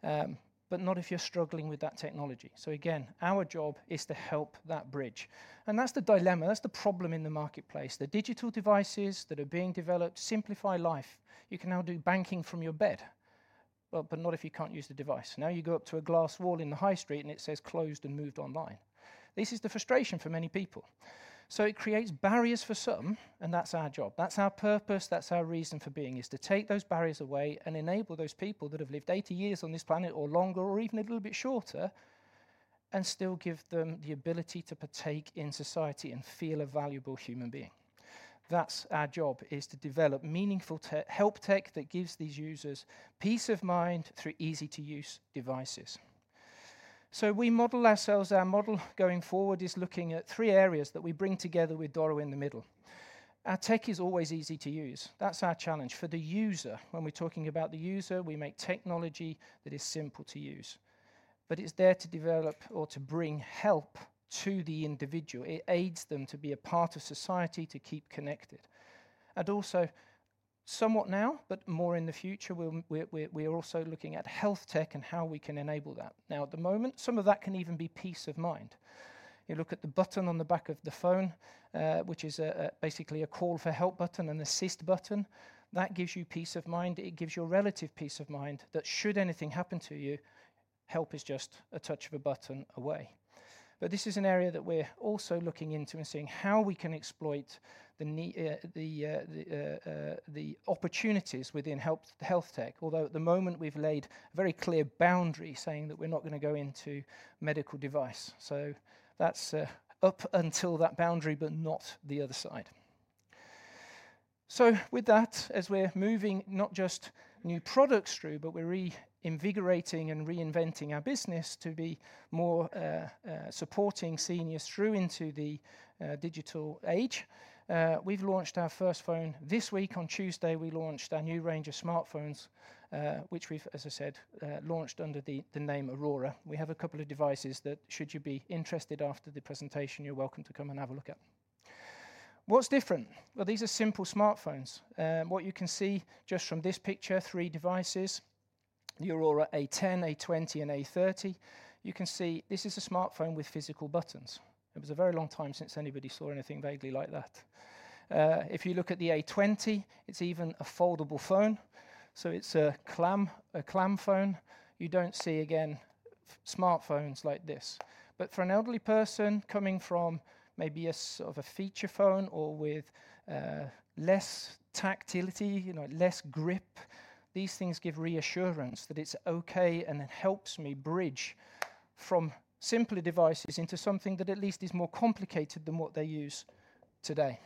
but not if you're struggling with that technology. Again, our job is to help that bridge. That is the dilemma. That is the problem in the marketplace. The digital devices that are being developed simplify life. You can now do banking from your bed, but not if you cannot use the device. Now you go up to a glass wall in the high street and it says closed and moved online. This is the frustration for many people. It creates barriers for some, and that's our job. That's our purpose. That's our reason for being is to take those barriers away and enable those people that have lived 80 years on this planet or longer or even a little bit shorter and still give them the ability to partake in society and feel a valuable human being. That's our job is to develop meaningful help tech that gives these users peace of mind through easy-to-use devices. We model ourselves. Our model going forward is looking at three areas that we bring together with Doro in the middle. Our tech is always easy to use. That's our challenge for the user. When we're talking about the user, we make technology that is simple to use. It is there to develop or to bring help to the individual. It aids them to be a part of society, to keep connected. Also somewhat now, but more in the future, we are also looking at health tech and how we can enable that. At the moment, some of that can even be peace of mind. You look at the button on the back of the phone, which is basically a call for help button, an assist button. That gives you peace of mind. It gives your relative peace of mind that should anything happen to you, help is just a touch of a button away. This is an area that we're also looking into and seeing how we can exploit the opportunities within health tech, although at the moment we've laid a very clear boundary saying that we're not going to go into medical device. That's up until that boundary, but not the other side. With that, as we're moving not just new products through, but we're reinvigorating and reinventing our business to be more supporting seniors through into the digital age. We've launched our first phone this week. On Tuesday, we launched our new range of smartphones, which we've, as I said, launched under the name Aurora. We have a couple of devices that, should you be interested after the presentation, you're welcome to come and have a look at. What's different? These are simple smartphones. What you can see just from this picture, three devices, the Aurora A10, A20, and A30. You can see this is a smartphone with physical buttons. It was a very long time since anybody saw anything vaguely like that. If you look at the A20, it's even a foldable phone. It is a clam phone. You do not see, again, smartphones like this. For an elderly person coming from maybe a sort of a feature phone or with less tactility, less grip, these things give reassurance that it's okay and it helps me bridge from simple devices into something that at least is more complicated than what they use today.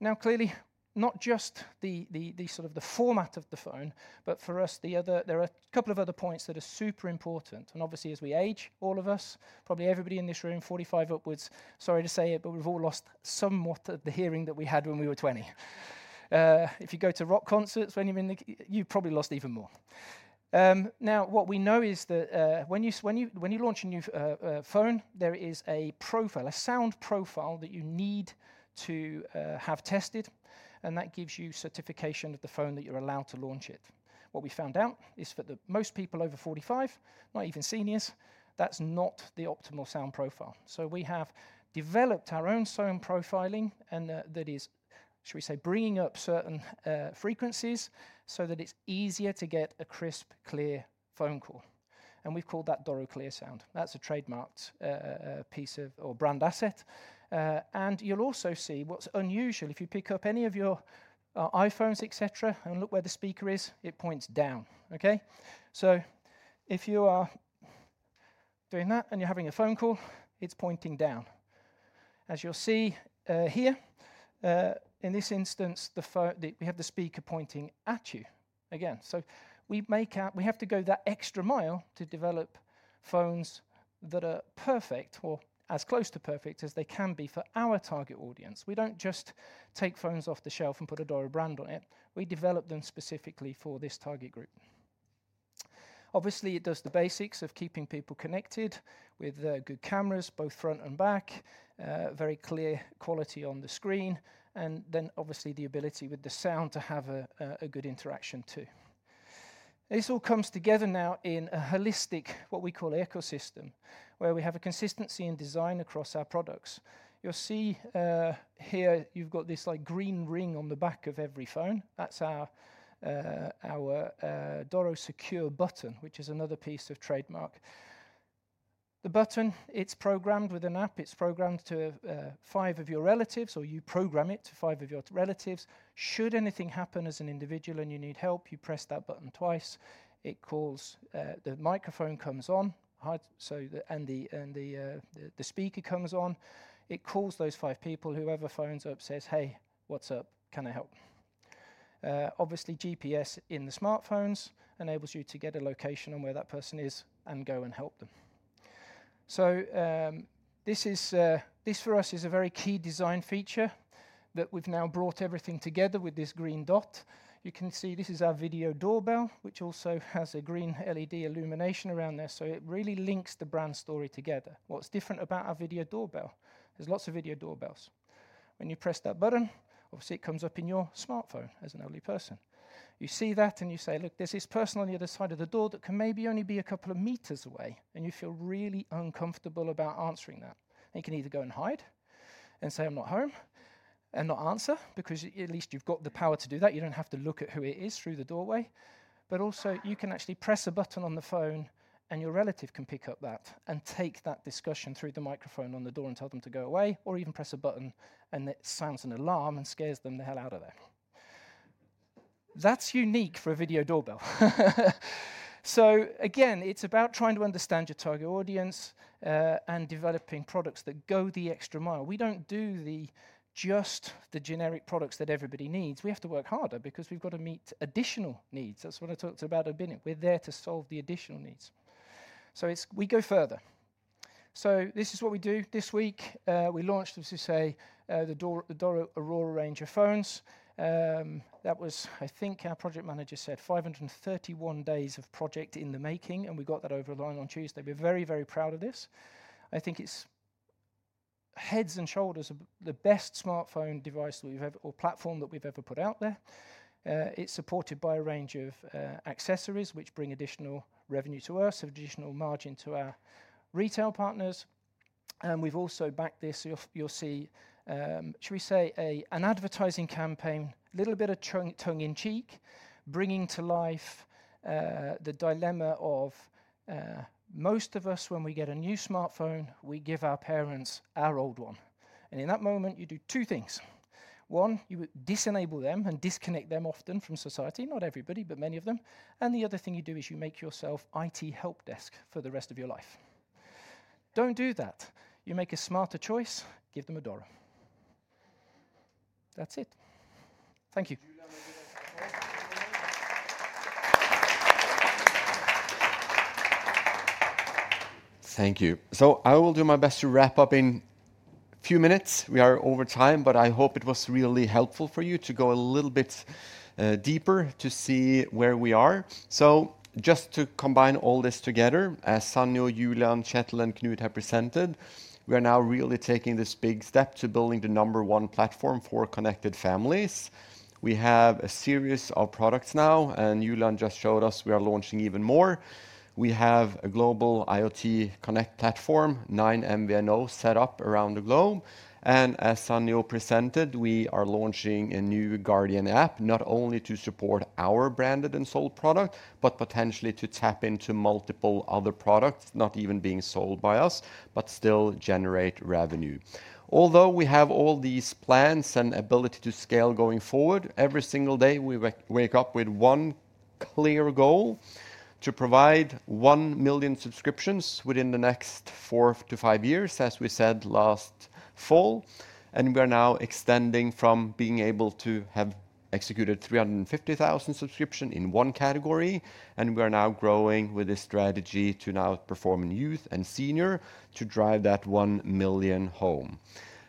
Now, clearly, not just the sort of the format of the phone, but for us, there are a couple of other points that are super important. Obviously, as we age, all of us, probably everybody in this room, 45 upwards, sorry to say it, but we've all lost somewhat of the hearing that we had when we were 20. If you go to rock concerts when you're in the, you've probably lost even more. What we know is that when you launch a new phone, there is a profile, a sound profile that you need to have tested. That gives you certification of the phone that you're allowed to launch it. What we found out is for most people over 45, not even seniors, that's not the optimal sound profile. We have developed our own sound profiling and that is, shall we say, bringing up certain frequencies so that it's easier to get a crisp, clear phone call. We've called that Doro Clear Sound. That's a trademarked piece of or brand asset. You'll also see what's unusual. If you pick up any of your iPhones, etc., and look where the speaker is, it points down. Okay? If you are doing that and you're having a phone call, it's pointing down. As you'll see here, in this instance, we have the speaker pointing at you again. We have to go that extra mile to develop phones that are perfect or as close to perfect as they can be for our target audience. We don't just take phones off the shelf and put a Doro brand on it. We develop them specifically for this target group. Obviously, it does the basics of keeping people connected with good cameras, both front and back, very clear quality on the screen, and then obviously the ability with the sound to have a good interaction too. This all comes together now in a holistic, what we call an ecosystem, where we have a consistency in design across our products. You'll see here you've got this green ring on the back of every phone. That's our Doro Secure button, which is another piece of trademark. The button, it's programmed with an app. It's programmed to five of your relatives or you program it to five of your relatives. Should anything happen as an individual and you need help, you press that button twice. The microphone comes on and the speaker comes on. It calls those five people, whoever phones up, says, "Hey, what's up? Can I help?" Obviously, GPS in the smartphones enables you to get a location on where that person is and go and help them. This for us is a very key design feature that we've now brought everything together with this green dot. You can see this is our video doorbell, which also has a green LED illumination around there. It really links the brand story together. What's different about our video doorbell? There are lots of video doorbells. When you press that button, obviously it comes up in your smartphone as an elderly person. You see that and you say, "Look, there's this person on the other side of the door that can maybe only be a couple of meters away." You feel really uncomfortable about answering that. You can either go and hide and say, "I'm not home," and not answer because at least you've got the power to do that. You do not have to look at who it is through the doorway. But also you can actually press a button on the phone and your relative can pick up that and take that discussion through the microphone on the door and tell them to go away or even press a button and it sounds an alarm and scares them the hell out of there. That's unique for a video doorbell. Again, it's about trying to understand your target audience and developing products that go the extra mile. We don't do just the generic products that everybody needs. We have to work harder because we've got to meet additional needs. That's what I talked about a bit in. We're there to solve the additional needs. We go further. This is what we do. This week we launched, as you say, the Doro Aurora range of phones. That was, I think our project manager said, "531 days of project in the making," and we got that over the line on Tuesday. We're very, very proud of this. I think it's heads and shoulders the best smartphone device or platform that we've ever put out there. It's supported by a range of accessories which bring additional revenue to us, additional margin to our retail partners. We've also backed this. You'll see, shall we say, an advertising campaign, a little bit of tongue in cheek, bringing to life the dilemma of most of us when we get a new smartphone, we give our parents our old one. In that moment, you do two things. One, you disable them and disconnect them often from society, not everybody, but many of them. The other thing you do is you make yourself IT help desk for the rest of your life. Do not do that. You make a smarter choice, give them a Doro. That is it. Thank you. Thank you. I will do my best to wrap up in a few minutes. We are over time, but I hope it was really helpful for you to go a little bit deeper to see where we are. Just to combine all this together, as Sanghyo, Julian, Kjetil, and Knut have presented, we are now really taking this big step to building the number one platform for connected families. We have a series of products now, and Julian just showed us we are launching even more. We have a global IoT Connect platform, nine MVNO, set up around the globe. As Sanghyo presented, we are launching a new Guardian app, not only to support our branded and sold product, but potentially to tap into multiple other products, not even being sold by us, but still generate revenue. Although we have all these plans and ability to scale going forward, every single day we wake up with one clear goal to provide one million subscriptions within the next four to five years, as we said last fall. We are now extending from being able to have executed 350,000 subscriptions in one category. We are now growing with this strategy to now perform in youth and senior to drive that one million home.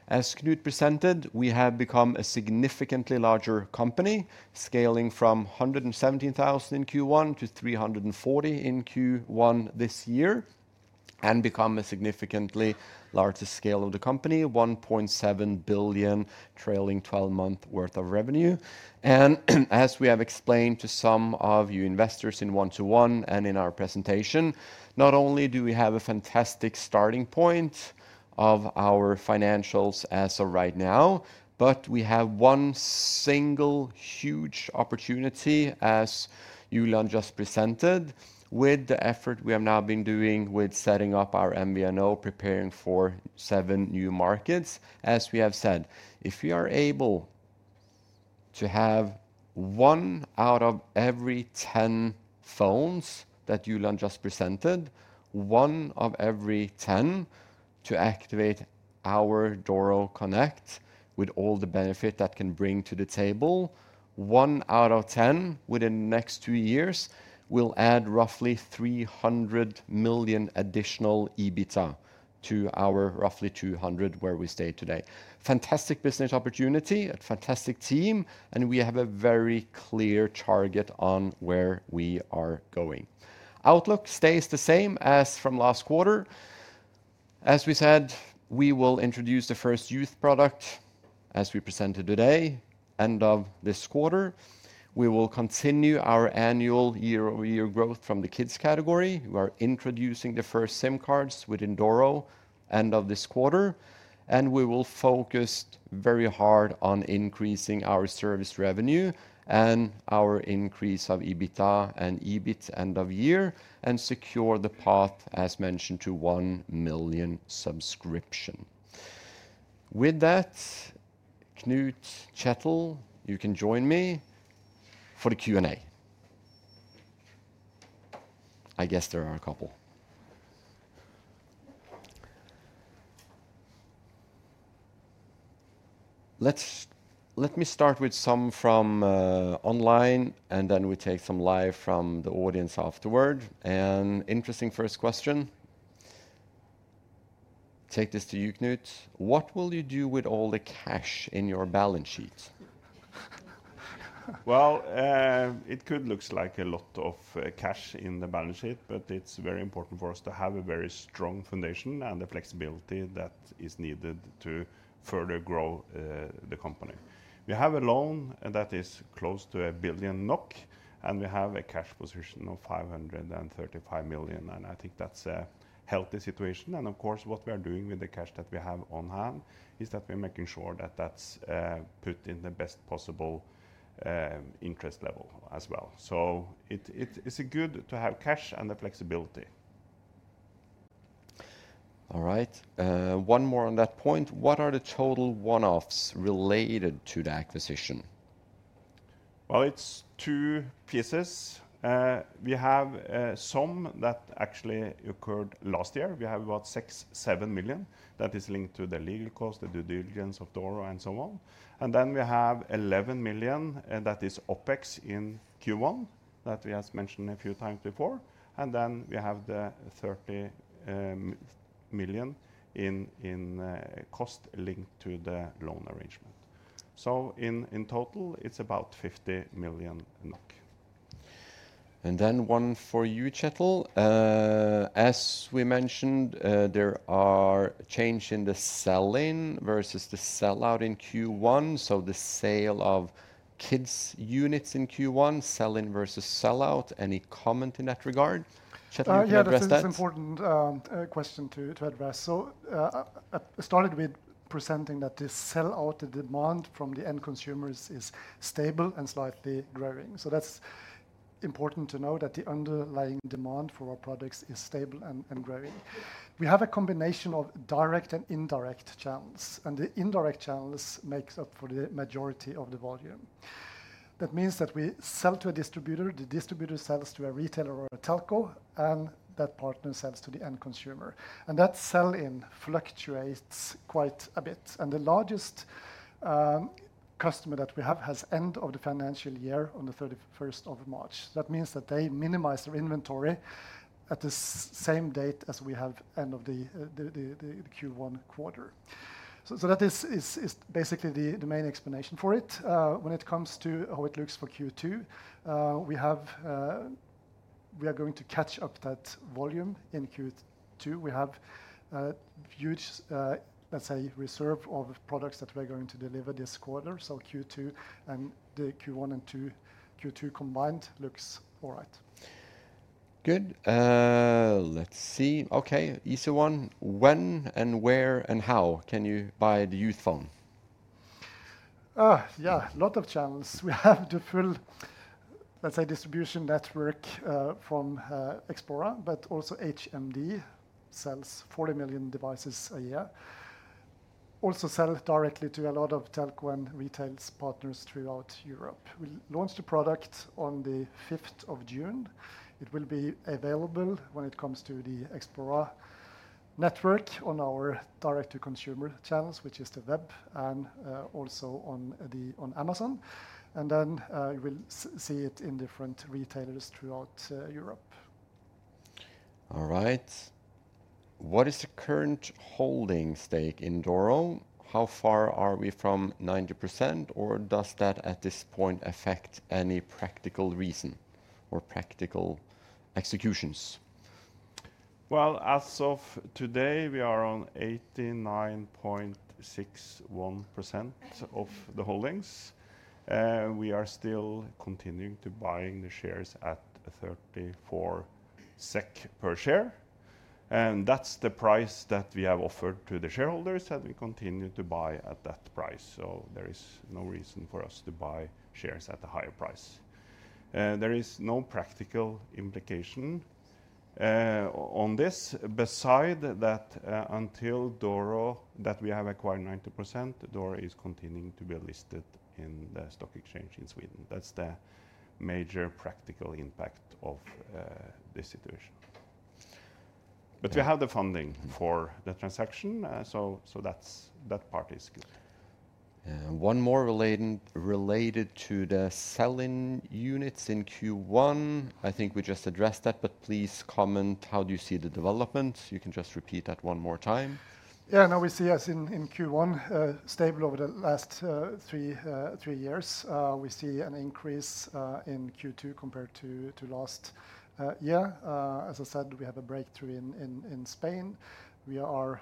As Knut presented, we have become a significantly larger company, scaling from 117,000 in Q1 to 340,000 in Q1 this year and become a significantly larger scale of the company, 1.7 billion trailing 12-month worth of revenue. As we have explained to some of you investors in one-to-one and in our presentation, not only do we have a fantastic starting point of our financials as of right now, but we have one single huge opportunity, as Julian just presented, with the effort we have now been doing with setting up our MVNO, preparing for seven new markets. As we have said, if we are able to have one out of every 10 phones that Julian just presented, one of every 10 to activate our Doro Connect with all the benefit that can bring to the table, one out of 10 within the next two years will add roughly 300 million additional EBITDA to our roughly 200 million where we stay today. Fantastic business opportunity, a fantastic team, and we have a very clear target on where we are going. Outlook stays the same as from last quarter. As we said, we will introduce the first youth product as we presented today, end of this quarter. We will continue our annual year-over-year growth from the kids category. We are introducing the first SIM cards within Doro end of this quarter. We will focus very hard on increasing our service revenue and our increase of EBITDA and EBIT end of year and secure the path, as mentioned, to one million subscription. With that, Knut, Kjetil, you can join me for the Q&A. I guess there are a couple. Let me start with some from online and then we take some live from the audience afterward. Interesting first question. Take this to you, Knut. What will you do with all the cash in your Balance sheet? It could look like a lot of cash in the Balance sheet, but it's very important for us to have a very strong foundation and the flexibility that is needed to further grow the company. We have a loan that is close to 1 billion NOK, and we have a cash position of 535 million. I think that's a healthy situation. Of course, what we are doing with the cash that we have on hand is that we're making sure that that's put in the best possible interest level as well. It's good to have cash and the flexibility. All right. One more on that point. What are the total one-offs related to the acquisition? It is two pieces. We have some that actually occurred last year. We have about 6 to 7 million that is linked to the legal cost, the due diligence of Doro, and so on. We have 11 million that is OpEx in Q1 that we have mentioned a few times before. We have the 30 million in cost linked to the loan arrangement. In total, it is about NOK 50 million. One for you, Kjetil. As we mentioned, there are changes in the sell-in versus the sell-out in Q1. The sale of kids units in Q1, sell-in versus sell-out. Any comment in that regard? Kjetil, can you address that? Yeah, that's an important question to address. I started with presenting that the sell-out demand from the end consumers is stable and slightly growing. That's important to know that the underlying demand for our products is stable and growing. We have a combination of direct and indirect channels. The indirect channels make up for the majority of the volume. That means that we sell to a distributor, the distributor sells to a retailer or a telco, and that partner sells to the end consumer. That sell-in fluctuates quite a bit. The largest customer that we have has end of the financial year on the 31st of March. That means that they minimize their inventory at the same date as we have end of the Q1 quarter. That is basically the main explanation for it. When it comes to how it looks for Q2, we are going to catch up that volume in Q2. We have a huge, let's say, reserve of products that we're going to deliver this quarter. Q2 and the Q1 and Q2 combined looks all right. Good. Let's see. Okay, easy one. When and where and how can you buy the youth phone? Yeah, a lot of channels. We have the full, let's say, distribution network from Xplora, but also HMD sells 40 million devices a year. Also sell directly to a lot of telco and retail partners throughout Europe. We launched the product on the 5th of June. It will be available when it comes to the Xplora network on our direct-to-consumer channels, which is the web and also on Amazon. You will see it in different retailers throughout Europe. All right. What is the current holding stake in Doro? How far are we from 90%, or does that at this point affect any practical reason or practical executions? As of today, we are on 89.61% of the holdings. We are still continuing to buy the shares at 34 SEK per share. That is the price that we have offered to the shareholders that we continue to buy at that price. There is no reason for us to buy shares at a higher price. There is no practical implication on this. Beside that, until Doro, that we have acquired 90%, Doro is continuing to be listed in the stock exchange in Sweden. That is the major practical impact of this situation. We have the funding for the transaction. That part is good. One more related to the sell-in units in Q1. I think we just addressed that, but please comment, how do you see the development? You can just repeat that one more time. Yeah, no, we see us in Q1 stable over the last three years. We see an increase in Q2 compared to last year. As I said, we have a breakthrough in Spain. We are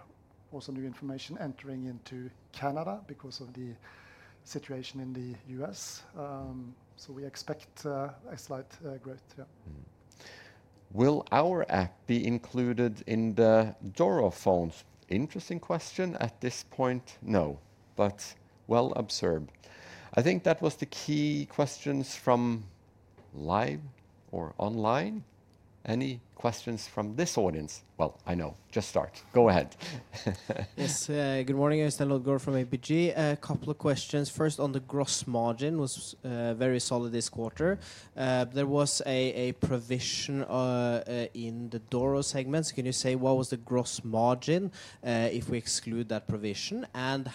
also, new information, entering into Canada because of the situation in the U.S. We expect a slight growth. Will our app be included in the Doro phones? Interesting question at this point. No, but well observed. I think that was the key questions from live or online. Any questions from this audience? I know, just start. Go ahead. Yes, good morning. I'm Stenloud Gore from APG. A couple of questions. First, on the Gross margin was very solid this quarter. There was a provision in the Doro segment. Can you say what was the Gross margin if we exclude that provision?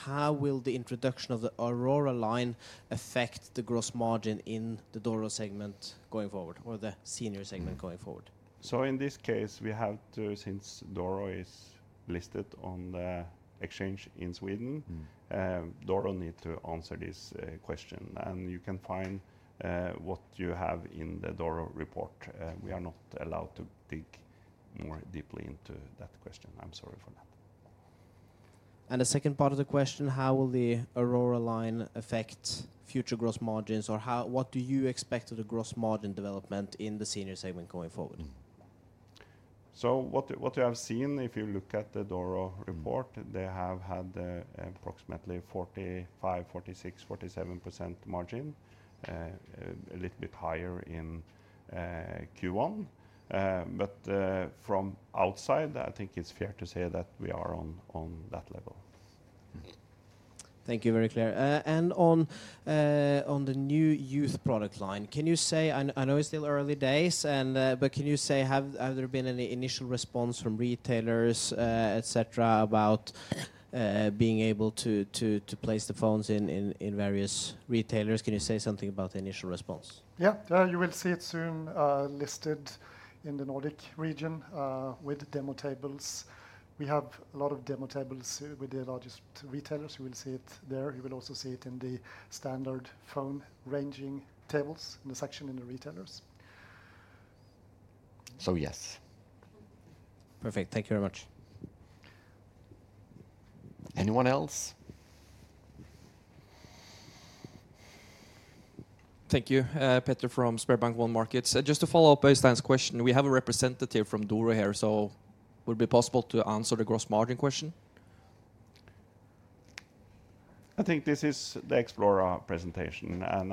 How will the introduction of the Aurora line affect the Gross margin in the Doro segment going forward or the senior segment going forward? In this case, we have to, since Doro is listed on the exchange in Sweden, Doro needs to answer this question. You can find what you have in the Doro report. We are not allowed to dig more deeply into that question. I'm sorry for that. The second part of the question, how will the Aurora line affect future gross margins or what do you expect of the Gross margin development in the senior segment going forward? What you have seen, if you look at the Doro report, they have had approximately 45%-47% margin, a little bit higher in Q1. From outside, I think it's fair to say that we are on that level. Thank you, very clear. On the new youth product line, can you say, I know it's still early days, but can you say, have there been any initial response from retailers, etc., about being able to place the phones in various retailers? Can you say something about the initial response? Yeah, you will see it soon listed in the Nordic region with demo tables. We have a lot of demo tables with the largest retailers. You will see it there. You will also see it in the standard phone ranging tables in the section in the retailers. So yes. Perfect. Thank you very much. Anyone else? Thank you, Petr from SpareBank 1 Markets. Just to follow up based on this question, we have a representative from Doro here, so would it be possible to answer the Gross margin question? I think this is the Xplora presentation, and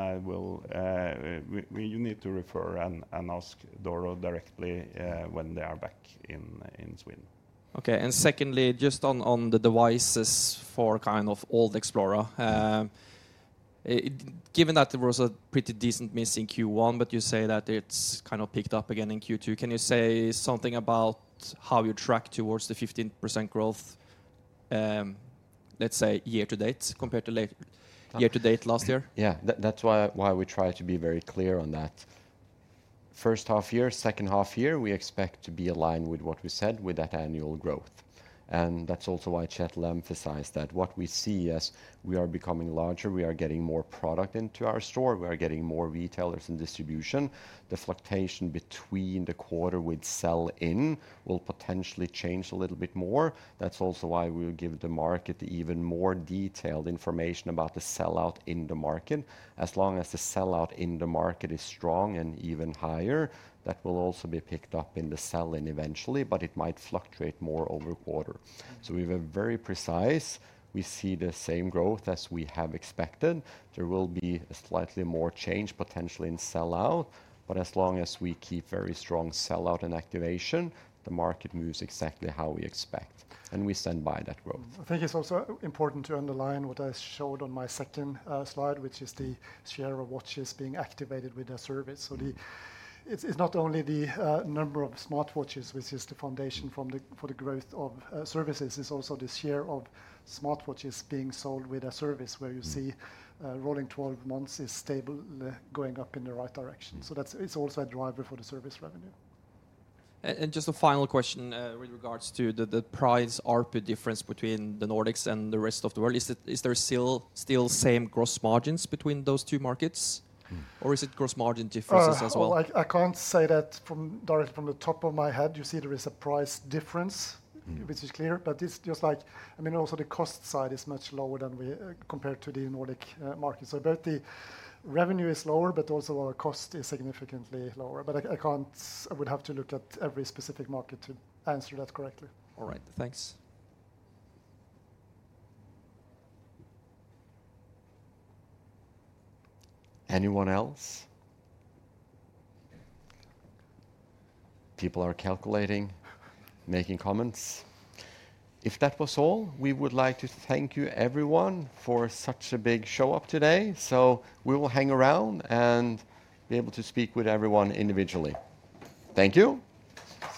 you need to refer and ask Doro directly when they are back in Sweden. Okay. Secondly, just on the devices for kind of old Xplora, given that there was a pretty decent miss in Q1, but you say that it's kind of picked up again in Q2, can you say something about how you track towards the 15% growth, let's say, year to date compared to year to date last year? Yeah, that's why we try to be very clear on that. First half year, second half year, we expect to be aligned with what we said with that annual growth. That's also why Kjetil emphasized that what we see as we are becoming larger, we are getting more product into our store, we are getting more retailers in distribution. The fluctuation between the quarter with sell-in will potentially change a little bit more. That's also why we'll give the market even more detailed information about the sell-out in the market. As long as the sell-out in the market is strong and even higher, that will also be picked up in the sell-in eventually, but it might fluctuate more over quarter. We have a very precise, we see the same growth as we have expected. There will be a slightly more change potentially in sell-out, but as long as we keep very strong sell-out and activation, the market moves exactly how we expect. We stand by that growth. I think it's also important to underline what I showed on my second slide, which is the share of watches being activated with a service. So it's not only the number of smartwatches, which is the foundation for the growth of services, it's also the share of smartwatches being sold with a service where you see rolling 12 months is stable, going up in the right direction. So it's also a driver for the service revenue. Just a final question with regards to the price RPU difference between the Nordics and the rest of the world. Is there still same Gross margins between those two markets, or is it gross margin differences as well? I can't say that directly from the top of my head. You see there is a price difference, which is clear, but it's just like, I mean, also the cost side is much lower than we compared to the Nordic market. Both the revenue is lower, but also our cost is significantly lower. I would have to look at every specific market to answer that correctly. All right. Thanks. Anyone else? People are calculating, making comments. If that was all, we would like to thank you everyone for such a big show-up today. We will hang around and be able to speak with everyone individually. Thank you.